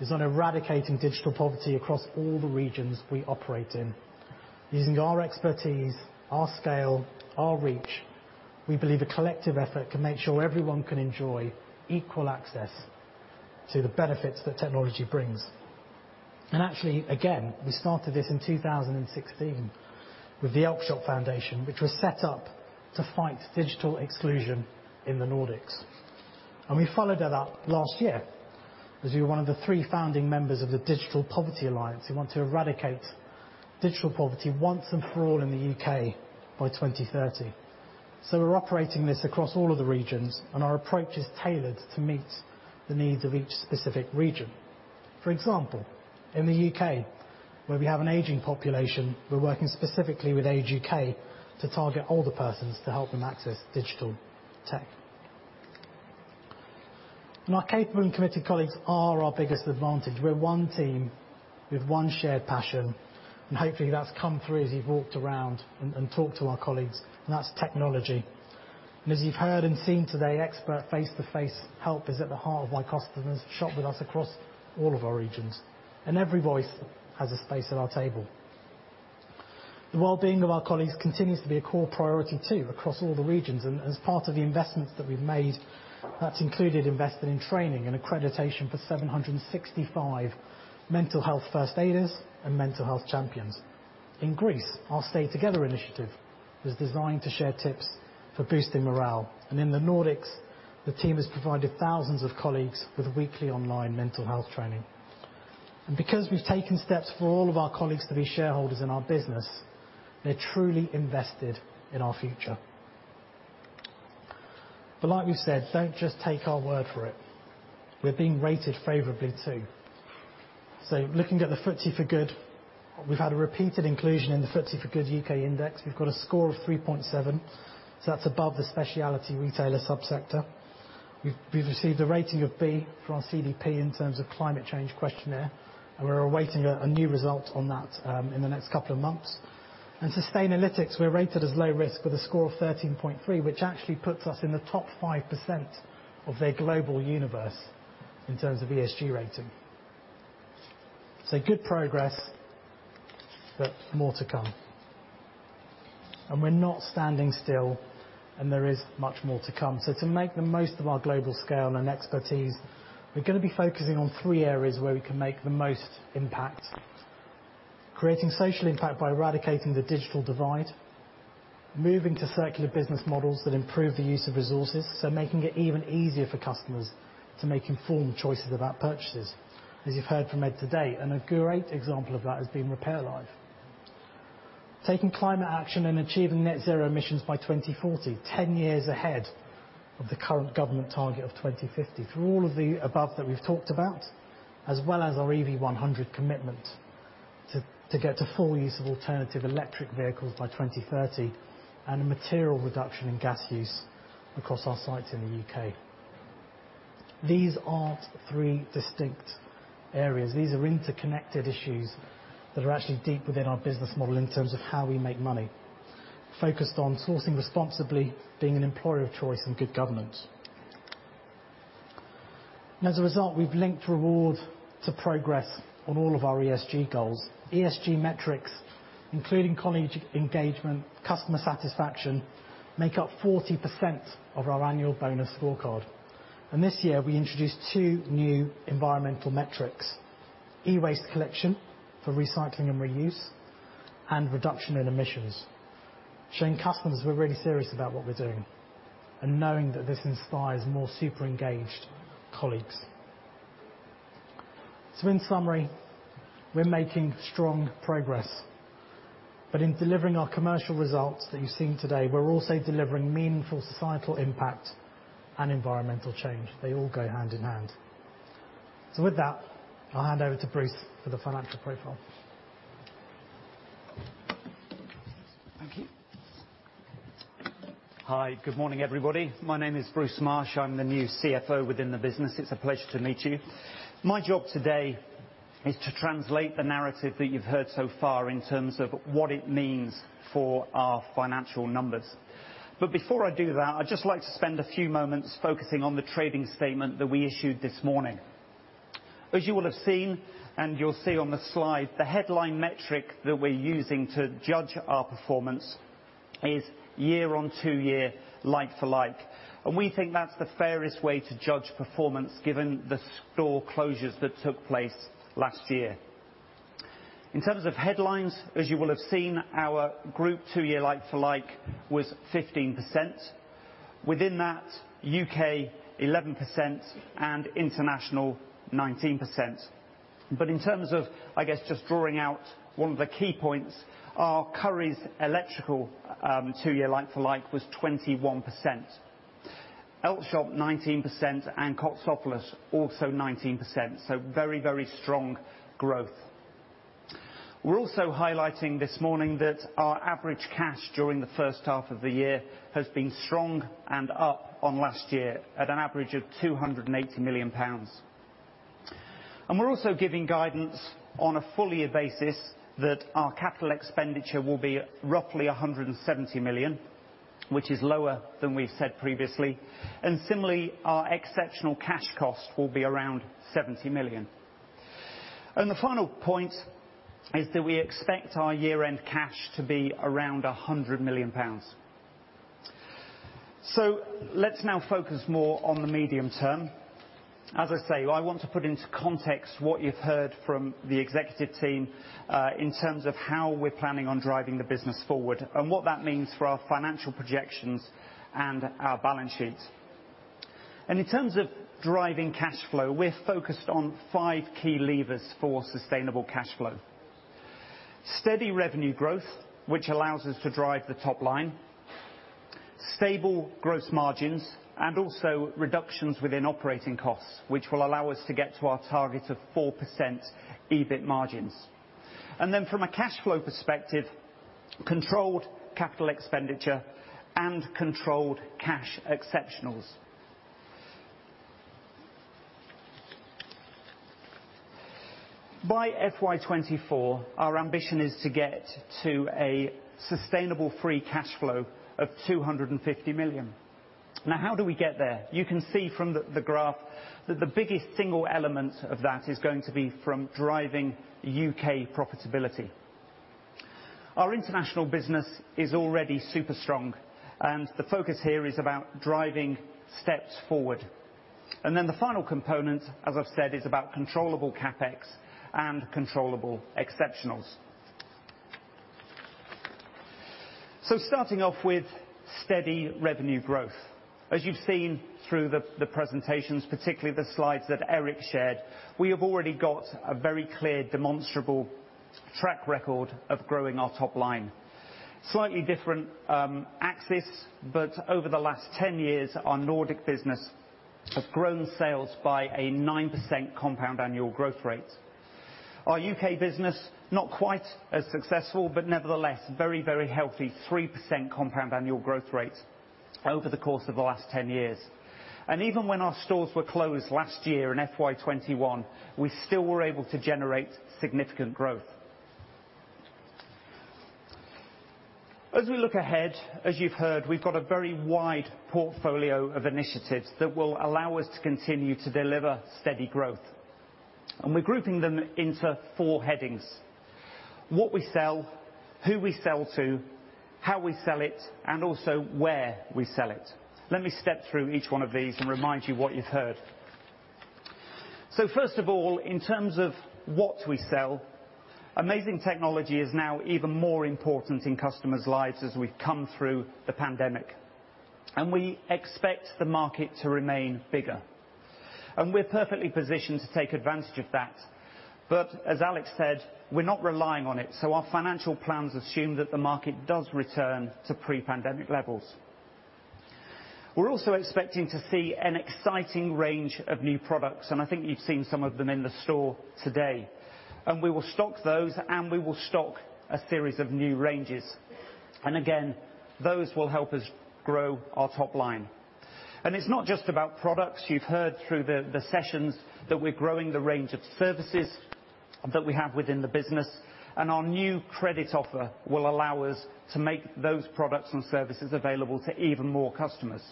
is on eradicating digital poverty across all the regions we operate in. Using our expertise, our scale, our reach, we believe a collective effort can make sure everyone can enjoy equal access to the benefits that technology brings. Actually, again, we started this in 2016 with the Elkjøp Foundation, which was set up to fight digital exclusion in the Nordics. We followed that up last year as we were one of the three founding members of the Digital Poverty Alliance who want to eradicate digital poverty once and for all in the U.K. by 2030. We're operating this across all of the regions, and our approach is tailored to meet the needs of each specific region. For example, in the U.K., where we have an aging population, we're working specifically with Age UK to target older persons to help them access digital tech. Our capable and committed colleagues are our biggest advantage. We're one team with one shared passion, and hopefully that's come through as you've walked around and talked to our colleagues, and that's technology. As you've heard and seen today, expert face-to-face help is at the heart of why customers shop with us across all of our regions. Every voice has a space at our table. The well-being of our colleagues continues to be a core priority too across all the regions. As part of the investments that we've made, that's included investing in training and accreditation for 765 mental health first aiders and mental health champions. In Greece, our Stay Together initiative is designed to share tips for boosting morale. In the Nordics, the team has provided thousands of colleagues with weekly online mental health training. Because we've taken steps for all of our colleagues to be shareholders in our business, they're truly invested in our future. Like we said, don't just take our word for it. We're being rated favorably too. Looking at the FTSE4Good, we've had a repeated inclusion in the FTSE4Good U.K index. We've got a score of 3.7, so that's above the specialty retailer sub-sector. We've received a rating of B for our CDP in terms of climate change questionnaire, and we're awaiting a new result on that in the next couple of months. In Sustainalytics, we're rated as low risk with a score of 13.3, which actually puts us in the top 5% of their global universe in terms of ESG rating. Good progress, but more to come. We're not standing still, and there is much more to come. To make the most of our global scale and expertise, we're gonna be focusing on three areas where we can make the most impact. Creating social impact by eradicating the digital divide. Moving to circular business models that improve the use of resources, so making it even easier for customers to make informed choices about purchases. As you've heard from Ed today, and a great example of that has been RepairLive. Taking climate action and achieving net zero emissions by 2040, ten years ahead of the current government target of 2050. Through all of the above that we've talked about, as well as our EV100 commitment to get to full use of alternative electric vehicles by 2030 and a material reduction in gas use across our sites in the U.K. These aren't three distinct areas. These are interconnected issues that are actually deep within our business model in terms of how we make money, focused on sourcing responsibly, being an employer of choice, and good governance. As a result, we've linked rewards to progress on all of our ESG goals. ESG metrics, including colleague engagement, customer satisfaction, make up 40% of our annual bonus scorecard. This year, we introduced two new environmental metrics, e-waste collection for recycling and reuse, and reduction in emissions, showing customers we're really serious about what we're doing and knowing that this inspires more super engaged colleagues. In summary, we're making strong progress. In delivering our commercial results that you've seen today, we're also delivering meaningful societal impact and environmental change. They all go hand in hand. With that, I'll hand over to Bruce for the financial profile. Thank you. Hi, good morning, everybody. My name is Bruce Marsh. I'm the new CFO within the business. It's a pleasure to meet you. My job today is to translate the narrative that you've heard so far in terms of what it means for our financial numbers. Before I do that, I'd just like to spend a few moments focusing on the trading statement that we issued this morning. As you will have seen, and you'll see on the slide, the headline metric that we're using to judge our performance is year-on-two-year like-for-like, and we think that's the fairest way to judge performance given the store closures that took place last year. In terms of headlines, as you will have seen, our group two-year like-for-like was 15%. Within that, U.K. 11% and international 19%. In terms of, I guess, just drawing out one of the key points, our Currys electrical two-year like-for-like was 21%. Elkjøp 19% and Kotsovolos also 19%, so very, very strong growth. We're also highlighting this morning that our average cash during the first half of the year has been strong and up on last year at an average of 280 million pounds. We're also giving guidance on a full year basis that our capital expenditure will be roughly 170 million, which is lower than we said previously. Similarly, our exceptional cash costs will be around 70 million. The final point is that we expect our year-end cash to be around 100 million pounds. Let's now focus more on the medium term. As I say, I want to put into context what you've heard from the executive team in terms of how we're planning on driving the business forward and what that means for our financial projections and our balance sheets. In terms of driving cash flow, we're focused on five key levers for sustainable cash flow. Steady revenue growth, which allows us to drive the top line, stable gross margins, and also reductions within operating costs, which will allow us to get to our target of 4% EBIT margins. From a cash flow perspective, controlled capital expenditure and controlled cash exceptionals. By FY 2024, our ambition is to get to a sustainable free cash flow of 250 million. Now, how do we get there? You can see from the graph that the biggest single element of that is going to be from driving UK profitability. Our international business is already super strong and the focus here is about driving steps forward. Then the final component, as I've said, is about controllable CapEx and controllable exceptionals. Starting off with steady revenue growth. As you've seen through the presentations, particularly the slides that Erik shared, we have already got a very clear, demonstrable track record of growing our top line. Slightly different axis, but over the last 10 years, our Nordic business has grown sales by a 9% compound annual growth rate. Our U.K business, not quite as successful, but nevertheless, very, very healthy, 3% compound annual growth rate over the course of the last 10 years. Even when our stores were closed last year in FY 2021, we still were able to generate significant growth. As we look ahead, as you've heard, we've got a very wide portfolio of initiatives that will allow us to continue to deliver steady growth, and we're grouping them into four headings. What we sell, who we sell to, how we sell it, and also where we sell it. Let me step through each one of these and remind you what you've heard. First of all, in terms of what we sell, amazing technology is now even more important in customers' lives as we've come through the pandemic, and we expect the market to remain bigger. We're perfectly positioned to take advantage of that. As Alex said, we're not relying on it, so our financial plans assume that the market does return to pre-pandemic levels. We're also expecting to see an exciting range of new products, and I think you've seen some of them in the store today. We will stock those, and we will stock a series of new ranges. Again, those will help us grow our top line. It's not just about products. You've heard through the sessions that we're growing the range of services that we have within the business, and our new credit offer will allow us to make those products and services available to even more customers.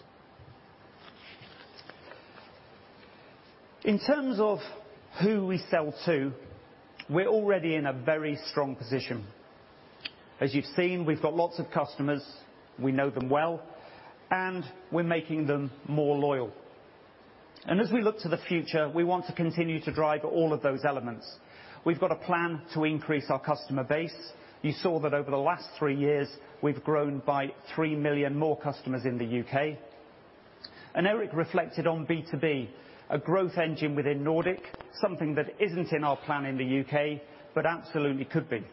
In terms of who we sell to, we're already in a very strong position. As you've seen, we've got lots of customers, we know them well, and we're making them more loyal. As we look to the future, we want to continue to drive all of those elements. We've got a plan to increase our customer base. You saw that over the last three years, we've grown by 3 million more customers in the U.K. Erik reflected on B2B, a growth engine within Nordics, something that isn't in our plan in the U.K., but absolutely could be.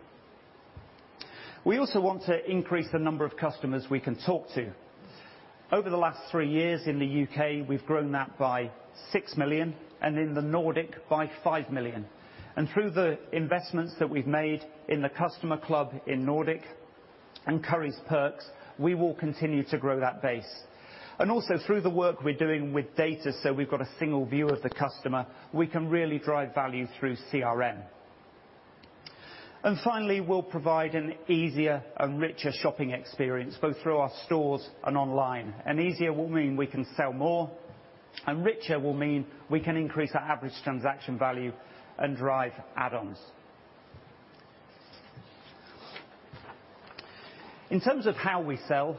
We also want to increase the number of customers we can talk to. Over the last three years in the U.K., we've grown that by 6 million, and in the Nordics by 5 million. Through the investments that we've made in the customer club in Nordics and Currys Perks, we will continue to grow that base. Also through the work we're doing with data, so we've got a single view of the customer, we can really drive value through CRM. Finally, we'll provide an easier and richer shopping experience, both through our stores and online. Easier will mean we can sell more, and richer will mean we can increase our average transaction value and drive add-ons. In terms of how we sell,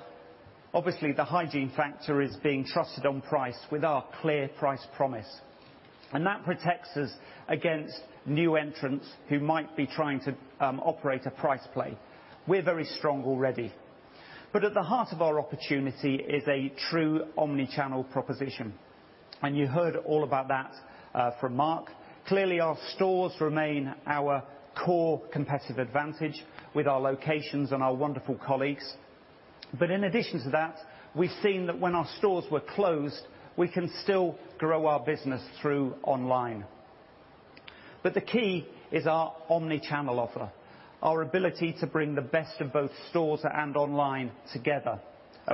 obviously, the hygiene factor is being trusted on price with our clear price promise. That protects us against new entrants who might be trying to operate a price play. We're very strong already. At the heart of our opportunity is a true omni-channel proposition. You heard all about that from Mark. Clearly, our stores remain our core competitive advantage with our locations and our wonderful colleagues. In addition to that, we've seen that when our stores were closed, we can still grow our business through online. The key is our omni-channel offer, our ability to bring the best of both stores and online together.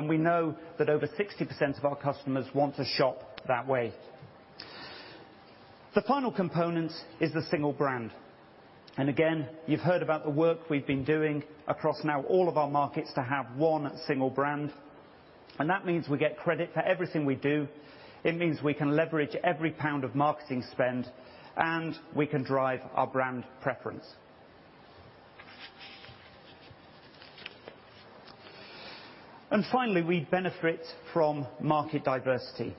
We know that over 60% of our customers want to shop that way. The final component is the single brand. Again, you've heard about the work we've been doing across now all of our markets to have one single brand. That means we get credit for everything we do. It means we can leverage every pound of marketing spend, and we can drive our brand preference. Finally, we benefit from market diversity.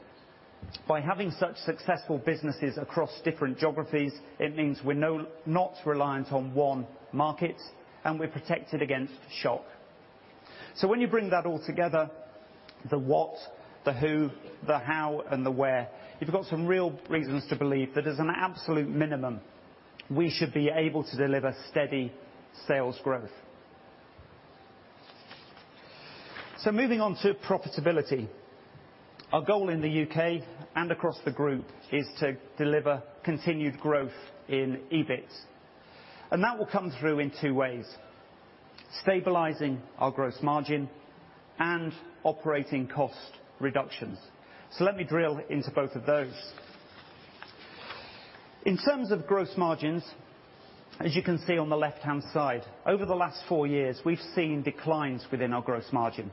By having such successful businesses across different geographies, it means we're not reliant on one market, and we're protected against shock. When you bring that all together, the what, the who, the how, and the where, you've got some real reasons to believe that as an absolute minimum, we should be able to deliver steady sales growth. Moving on to profitability. Our goal in the UK and across the group is to deliver continued growth in EBIT. That will come through in two ways, stabilizing our gross margin and operating cost reductions. Let me drill into both of those. In terms of gross margins, as you can see on the left-hand side, over the last four years, we've seen declines within our gross margin.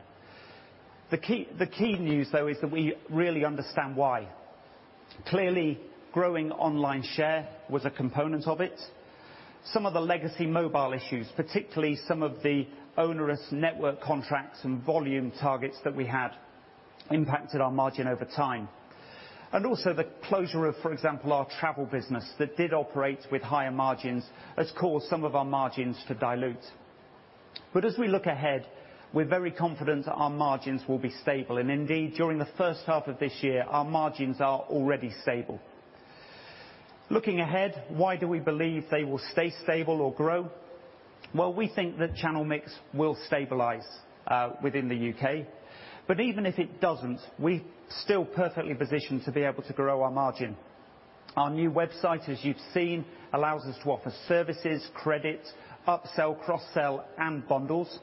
The key news, though, is that we really understand why. Clearly, growing online share was a component of it. Some of the legacy mobile issues, particularly some of the onerous network contracts and volume targets that we had impacted our margin over time. Also the closure of, for example, our travel business that did operate with higher margins has caused some of our margins to dilute. As we look ahead, we're very confident our margins will be stable. Indeed, during the first half of this year, our margins are already stable. Looking ahead, why do we believe they will stay stable or grow? Well, we think that channel mix will stabilize within the U.K. Even if it doesn't, we're still perfectly positioned to be able to grow our margin. Our new website, as you've seen, allows us to offer services, credit, upsell, cross-sell, and bundles.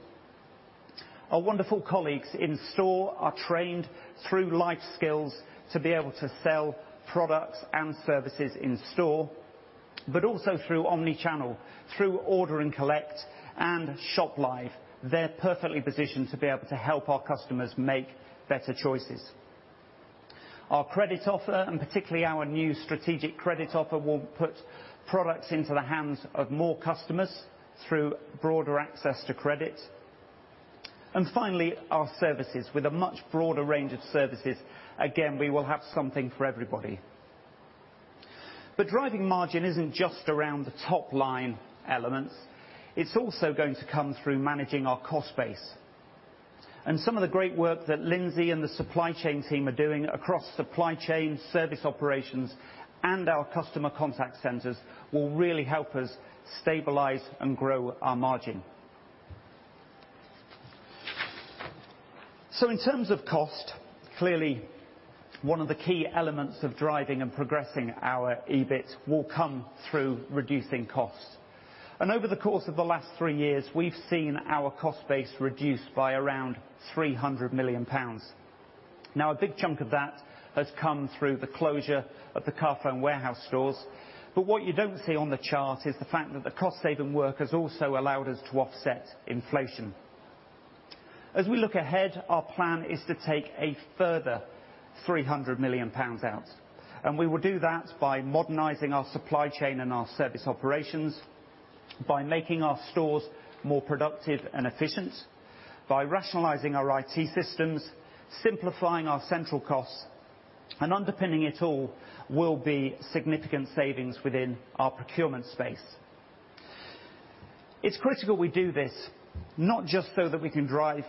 Our wonderful colleagues in store are trained through Life Selling to be able to sell products and services in store, but also through omni-channel, through order and collect, and ShopLive. They're perfectly positioned to be able to help our customers make better choices. Our credit offer, and particularly our new strategic credit offer, will put products into the hands of more customers through broader access to credit. Finally, our services. With a much broader range of services, again, we will have something for everybody. Driving margin isn't just around the top line elements. It's also going to come through managing our cost base. Some of the great work that Lindsay and the supply chain team are doing across supply chain, service operations, and our customer contact centers will really help us stabilize and grow our margin. In terms of cost, clearly, one of the key elements of driving and progressing our EBIT will come through reducing costs. Over the course of the last three years, we've seen our cost base reduced by around 300 million pounds. Now, a big chunk of that has come through the closure of the Carphone Warehouse stores. What you don't see on the chart is the fact that the cost saving work has also allowed us to offset inflation. As we look ahead, our plan is to take a further 300 million pounds out. We will do that by modernizing our supply chain and our service operations, by making our stores more productive and efficient, by rationalizing our IT systems, simplifying our central costs, and underpinning it all will be significant savings within our procurement space. It's critical we do this not just so that we can drive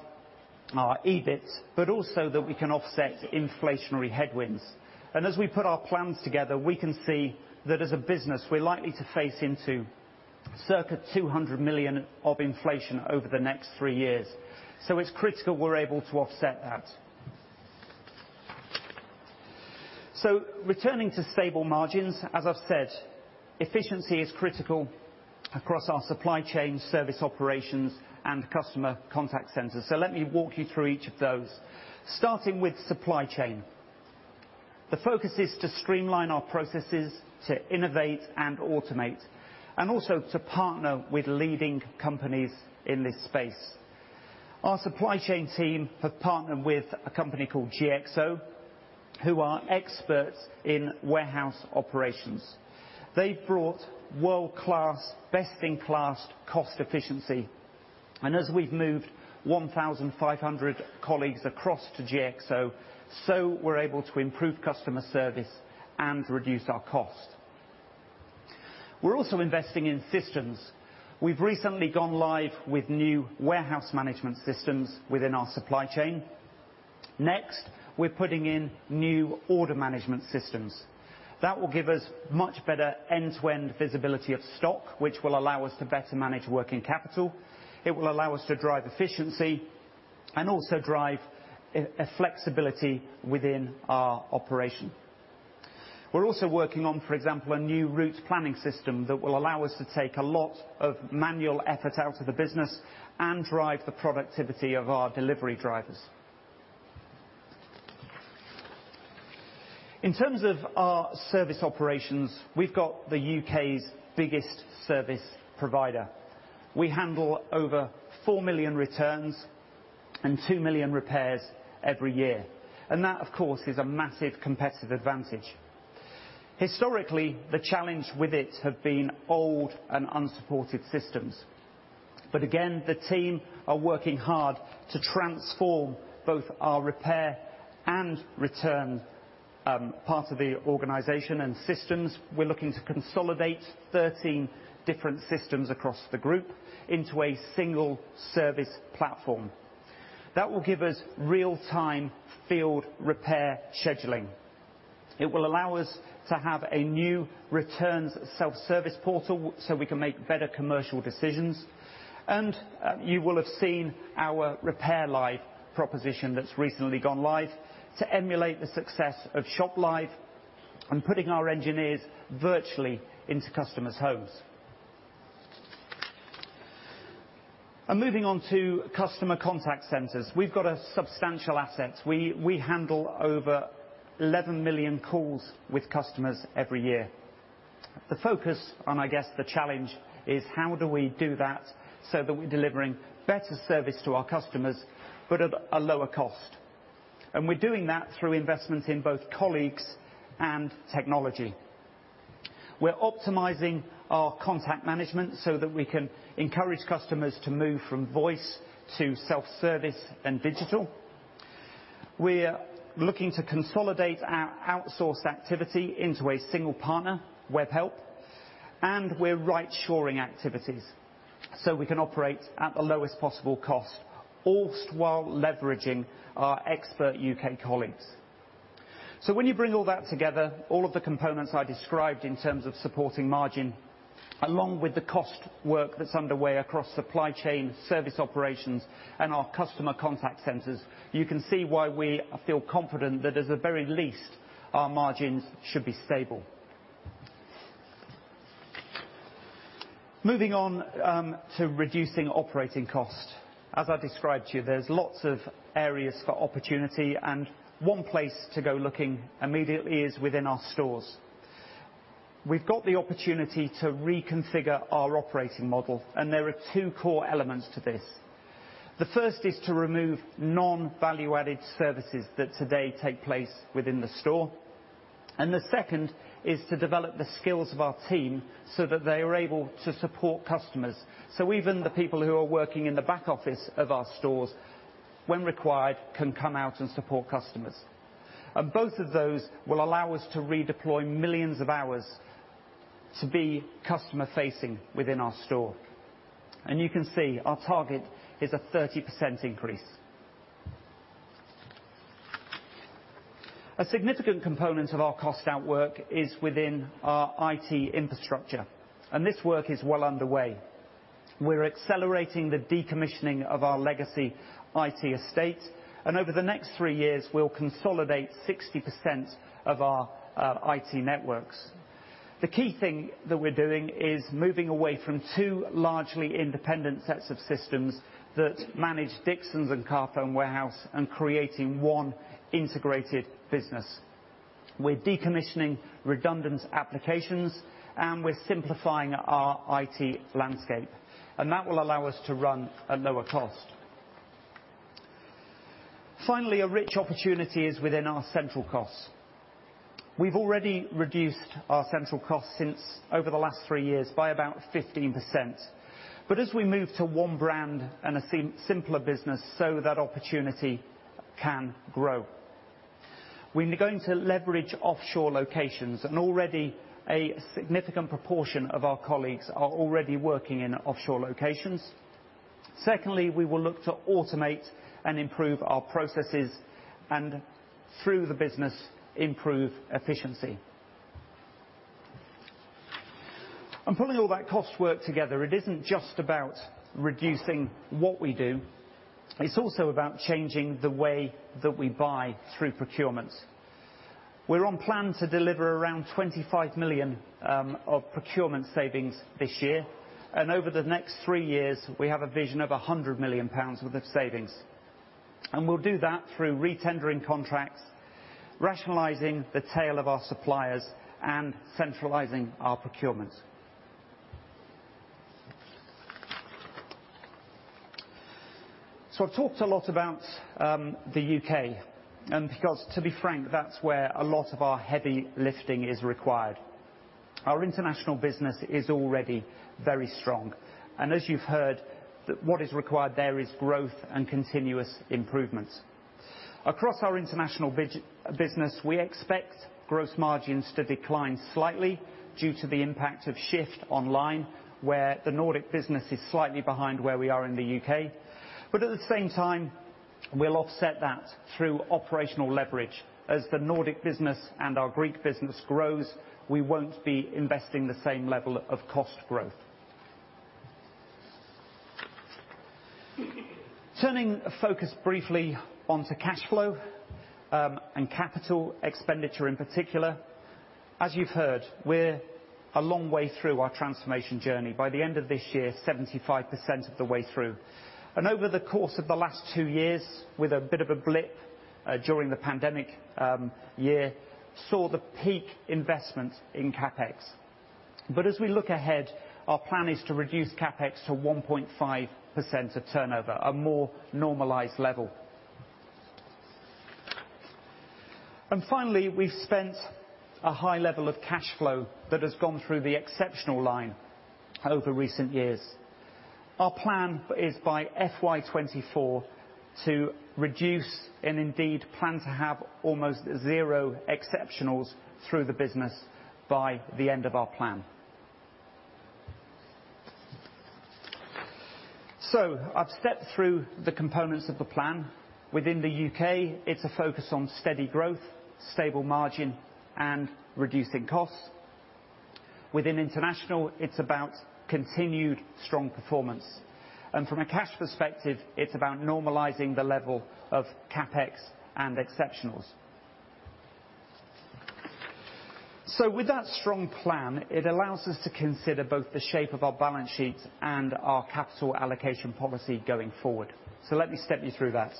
our EBIT, but also that we can offset inflationary headwinds. As we put our plans together, we can see that as a business, we're likely to face into circa 200 million of inflation over the next three years. It's critical we're able to offset that. Returning to stable margins, as I've said, efficiency is critical across our supply chain, service operations, and customer contact centers. Let me walk you through each of those, starting with supply chain. The focus is to streamline our processes to innovate and automate, and also to partner with leading companies in this space. Our supply chain team have partnered with a company called GXO, who are experts in warehouse operations. They've brought world-class, best-in-class cost efficiency. As we've moved 1,500 colleagues across to GXO, so we're able to improve customer service and reduce our cost. We're also investing in systems. We've recently gone live with new warehouse management systems within our supply chain. Next, we're putting in new order management systems. That will give us much better end-to-end visibility of stock, which will allow us to better manage working capital. It will allow us to drive efficiency and also drive a flexibility within our operation. We're also working on, for example, a new route planning system that will allow us to take a lot of manual effort out of the business and drive the productivity of our delivery drivers. In terms of our service operations, we've got the U.K.'s biggest service provider. We handle over 4 million returns and 2 million repairs every year. That, of course, is a massive competitive advantage. Historically, the challenge with it have been old and unsupported systems. Again, the team are working hard to transform both our repair and return parts of the organization and systems. We're looking to consolidate 13 different systems across the group into a single service platform. That will give us real-time field repair scheduling. It will allow us to have a new returns self-service portal so we can make better commercial decisions. You will have seen our RepairLive proposition that's recently gone live to emulate the success of ShopLive and putting our engineers virtually into customers' homes. Moving on to customer contact centers. We've got a substantial asset. We handle over 11 million calls with customers every year. The focus on, I guess, the challenge is how do we do that so that we're delivering better service to our customers, but at a lower cost? We're doing that through investments in both colleagues and technology. We're optimizing our contact management so that we can encourage customers to move from voice to self-service and digital. We're looking to consolidate our outsource activity into a single partner, Webhelp. We're rightshoring activities, so we can operate at the lowest possible cost, all while leveraging our expert U.K. colleagues. When you bring all that together, all of the components I described in terms of supporting margin, along with the cost work that's underway across supply chain, service operations, and our customer contact centers, you can see why we feel confident that at the very least, our margins should be stable. Moving on to reducing operating cost. As I described to you, there's lots of areas for opportunity, and one place to go looking immediately is within our stores. We've got the opportunity to reconfigure our operating model, and there are two core elements to this. The first is to remove non-value-added services that today take place within the store. The second is to develop the skills of our team so that they are able to support customers. Even the people who are working in the back office of our stores, when required, can come out and support customers. Both of those will allow us to redeploy millions of hours to be customer-facing within our store. You can see our target is a 30% increase. A significant component of our cost out work is within our IT infrastructure, and this work is well underway. We're accelerating the decommissioning of our legacy IT estate, and over the next three years, we'll consolidate 60% of our IT networks. The key thing that we're doing is moving away from two largely independent sets of systems that manage Dixons and Carphone Warehouse and creating one integrated business. We're decommissioning redundant applications, and we're simplifying our IT landscape, and that will allow us to run at lower cost. Finally, a rich opportunity is within our central costs. We've already reduced our central costs since over the last three years by about 15%. As we move to one brand and a simpler business, that opportunity can grow. We're going to leverage offshore locations, and already a significant proportion of our colleagues are already working in offshore locations. Secondly, we will look to automate and improve our processes and through the business, improve efficiency. Pulling all that cost work together, it isn't just about reducing what we do, it's also about changing the way that we buy through procurements. We're on plan to deliver around 25 million of procurement savings this year. Over the next three years, we have a vision of 100 million pounds worth of savings. We'll do that through re-tendering contracts, rationalizing the tail of our suppliers, and centralizing our procurements. I've talked a lot about the UK, and because to be frank, that's where a lot of our heavy lifting is required. Our international business is already very strong. As you've heard, what is required there is growth and continuous improvements. Across our international business, we expect gross margins to decline slightly due to the impact of shift online, where the Nordic business is slightly behind where we are in the U.K. At the same time, we'll offset that through operational leverage. As the Nordic business and our Greek business grows, we won't be investing the same level of cost growth. Turning focus briefly onto cash flow, and capital expenditure in particular. As you've heard, we're a long way through our transformation journey. By the end of this year, 75% of the way through. Over the course of the last two years, with a bit of a blip, during the pandemic year, we saw the peak investment in CapEx. As we look ahead, our plan is to reduce CapEx to 1.5% of turnover, a more normalized level. Finally, we've seen a high level of cash flow that has gone through the exceptional line over recent years. Our plan is by FY 2024 to reduce and indeed plan to have almost zero exceptionals through the business by the end of our plan. I've stepped through the components of the plan. Within the U.K., it's a focus on steady growth, stable margin, and reducing costs. Within International, it's about continued strong performance. From a cash perspective, it's about normalizing the level of CapEx and exceptionals. With that strong plan, it allows us to consider both the shape of our balance sheet and our capital allocation policy going forward. Let me step you through that.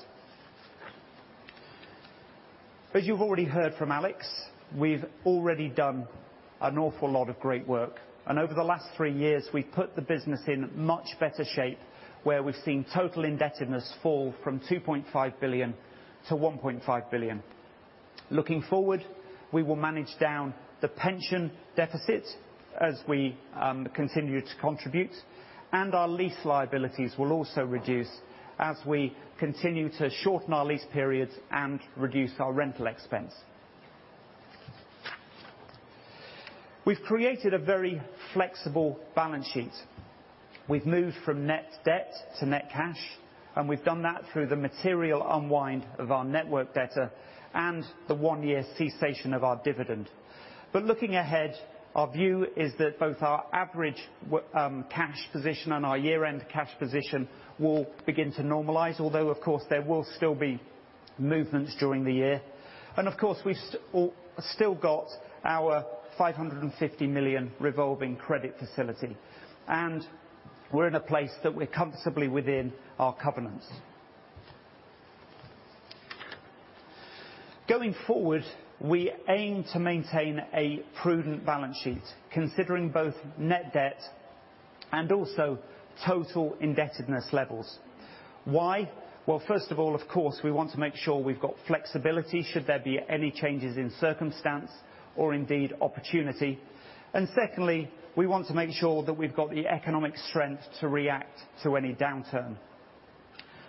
As you've already heard from Alex, we've already done an awful lot of great work. Over the last three years, we've put the business in much better shape, where we've seen total indebtedness fall from 2.5 billion to 1.5 billion. Looking forward, we will manage down the pension deficit as we continue to contribute, and our lease liabilities will also reduce as we continue to shorten our lease periods and reduce our rental expense. We've created a very flexible balance sheet. We've moved from net debt to net cash, and we've done that through the material unwind of our network debtor and the one-year cessation of our dividend. Looking ahead, our view is that both our average cash position and our year-end cash position will begin to normalize, although, of course, there will still be movements during the year. Of course, we've still got our 550 million revolving credit facility. We're in a place that we're comfortably within our covenants. Going forward, we aim to maintain a prudent balance sheet, considering both net debt and also total indebtedness levels. Why? Well, first of all, of course, we want to make sure we've got flexibility should there be any changes in circumstance or indeed opportunity. Secondly, we want to make sure that we've got the economic strength to react to any downturn.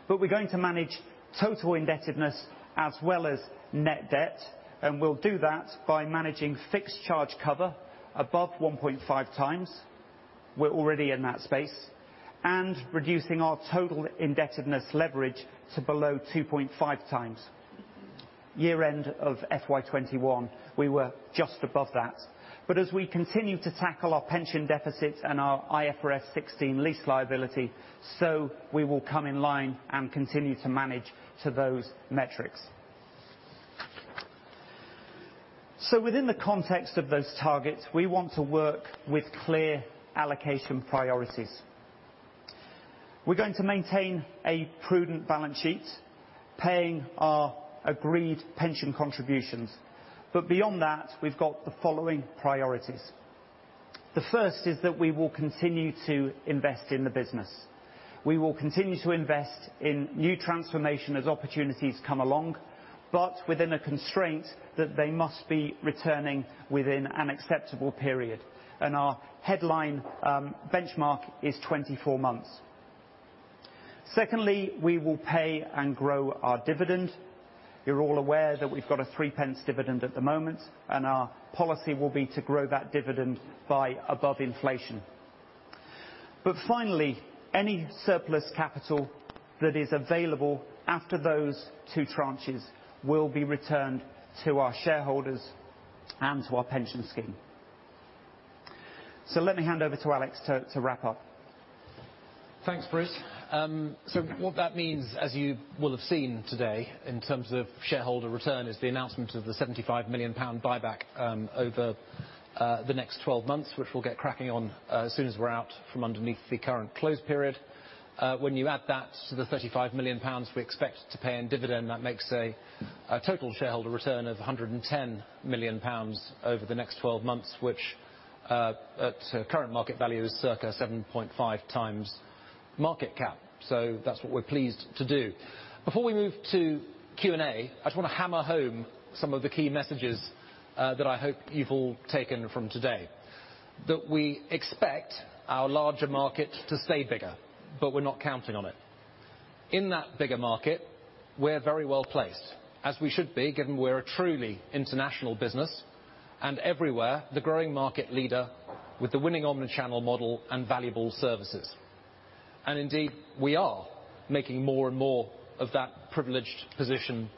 We're going to manage total indebtedness as well as net debt, and we'll do that by managing fixed charge cover above 1.5 times. We're already in that space. Reducing our total indebtedness leverage to below 2.5 times. Year-end of FY 2021, we were just above that. As we continue to tackle our pension deficits and our IFRS 16 lease liability, so we will come in line and continue to manage to those metrics. Within the context of those targets, we want to work with clear allocation priorities. We're going to maintain a prudent balance sheet paying our agreed pension contributions. Beyond that, we've got the following priorities. The first is that we will continue to invest in the business. We will continue to invest in new transformation as opportunities come along, but within a constraint that they must be returning within an acceptable period. Our headline benchmark is 24 months. Secondly, we will pay and grow our dividend. You're all aware that we've got a 0.03 dividend at the moment, and our policy will be to grow that dividend by above inflation. Finally, any surplus capital that is available after those two tranches will be returned to our shareholders and to our pension scheme. Let me hand over to Alex to wrap up. Thanks, Bruce. What that means, as you will have seen today in terms of shareholder return, is the announcement of the 75 million pound buyback over the next 12 months, which we'll get cracking on as soon as we're out from underneath the current close period. When you add that to the 35 million pounds we expect to pay in dividend, that makes a total shareholder return of 110 million pounds over the next 12 months, which at current market value is circa 7.5x market cap. That's what we're pleased to do. Before we move to Q&A, I just want to hammer home some of the key messages that I hope you've all taken from today. That we expect our larger market to stay bigger, but we're not counting on it. In that bigger market, we're very well placed, as we should be, given we're a truly international business and everywhere, the growing market leader with the winning omni-channel model and valuable services. We are making more and more of that privileged position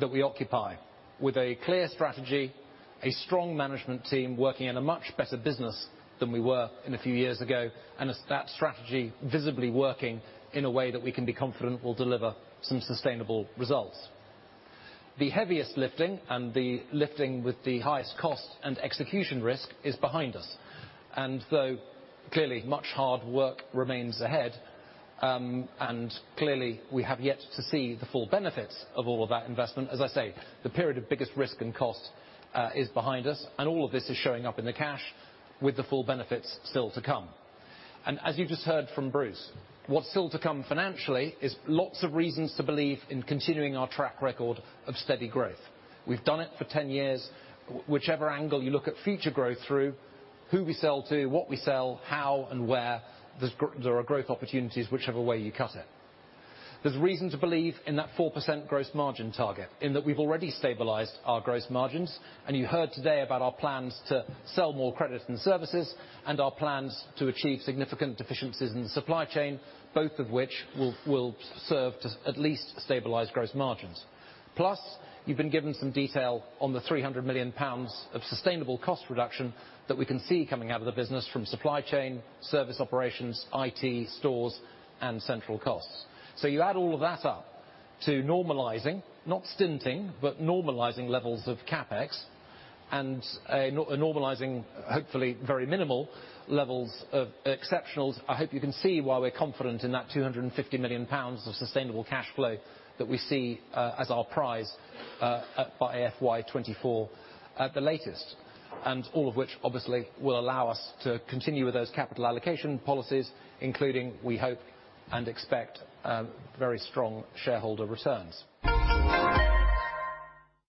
that we occupy with a clear strategy, a strong management team working in a much better business than we were in a few years ago, and that strategy visibly working in a way that we can be confident will deliver some sustainable results. The heaviest lifting and the lifting with the highest cost and execution risk is behind us. Though clearly much hard work remains ahead, and clearly we have yet to see the full benefits of all of that investment, as I say, the period of biggest risk and cost is behind us, and all of this is showing up in the cash with the full benefits still to come. As you just heard from Bruce, what's still to come financially is lots of reasons to believe in continuing our track record of steady growth. We've done it for 10 years. Whichever angle you look at future growth through, who we sell to, what we sell, how and where, there are growth opportunities whichever way you cut it. There's reason to believe in that 4% gross margin target in that we've already stabilized our gross margins, and you heard today about our plans to sell more credits and services and our plans to achieve significant efficiencies in the supply chain, both of which will serve to at least stabilize gross margins. Plus, you've been given some detail on the 300 million pounds of sustainable cost reduction that we can see coming out of the business from supply chain, service operations, IT, stores, and central costs. You add all of that up to normalizing, not stinting, but normalizing levels of CapEx and a normalizing, hopefully very minimal levels of exceptionals. I hope you can see why we're confident in that 250 million pounds of sustainable cash flow that we see as our prize by FY 2024 at the latest, and all of which obviously will allow us to continue with those capital allocation policies, including, we hope and expect, very strong shareholder returns.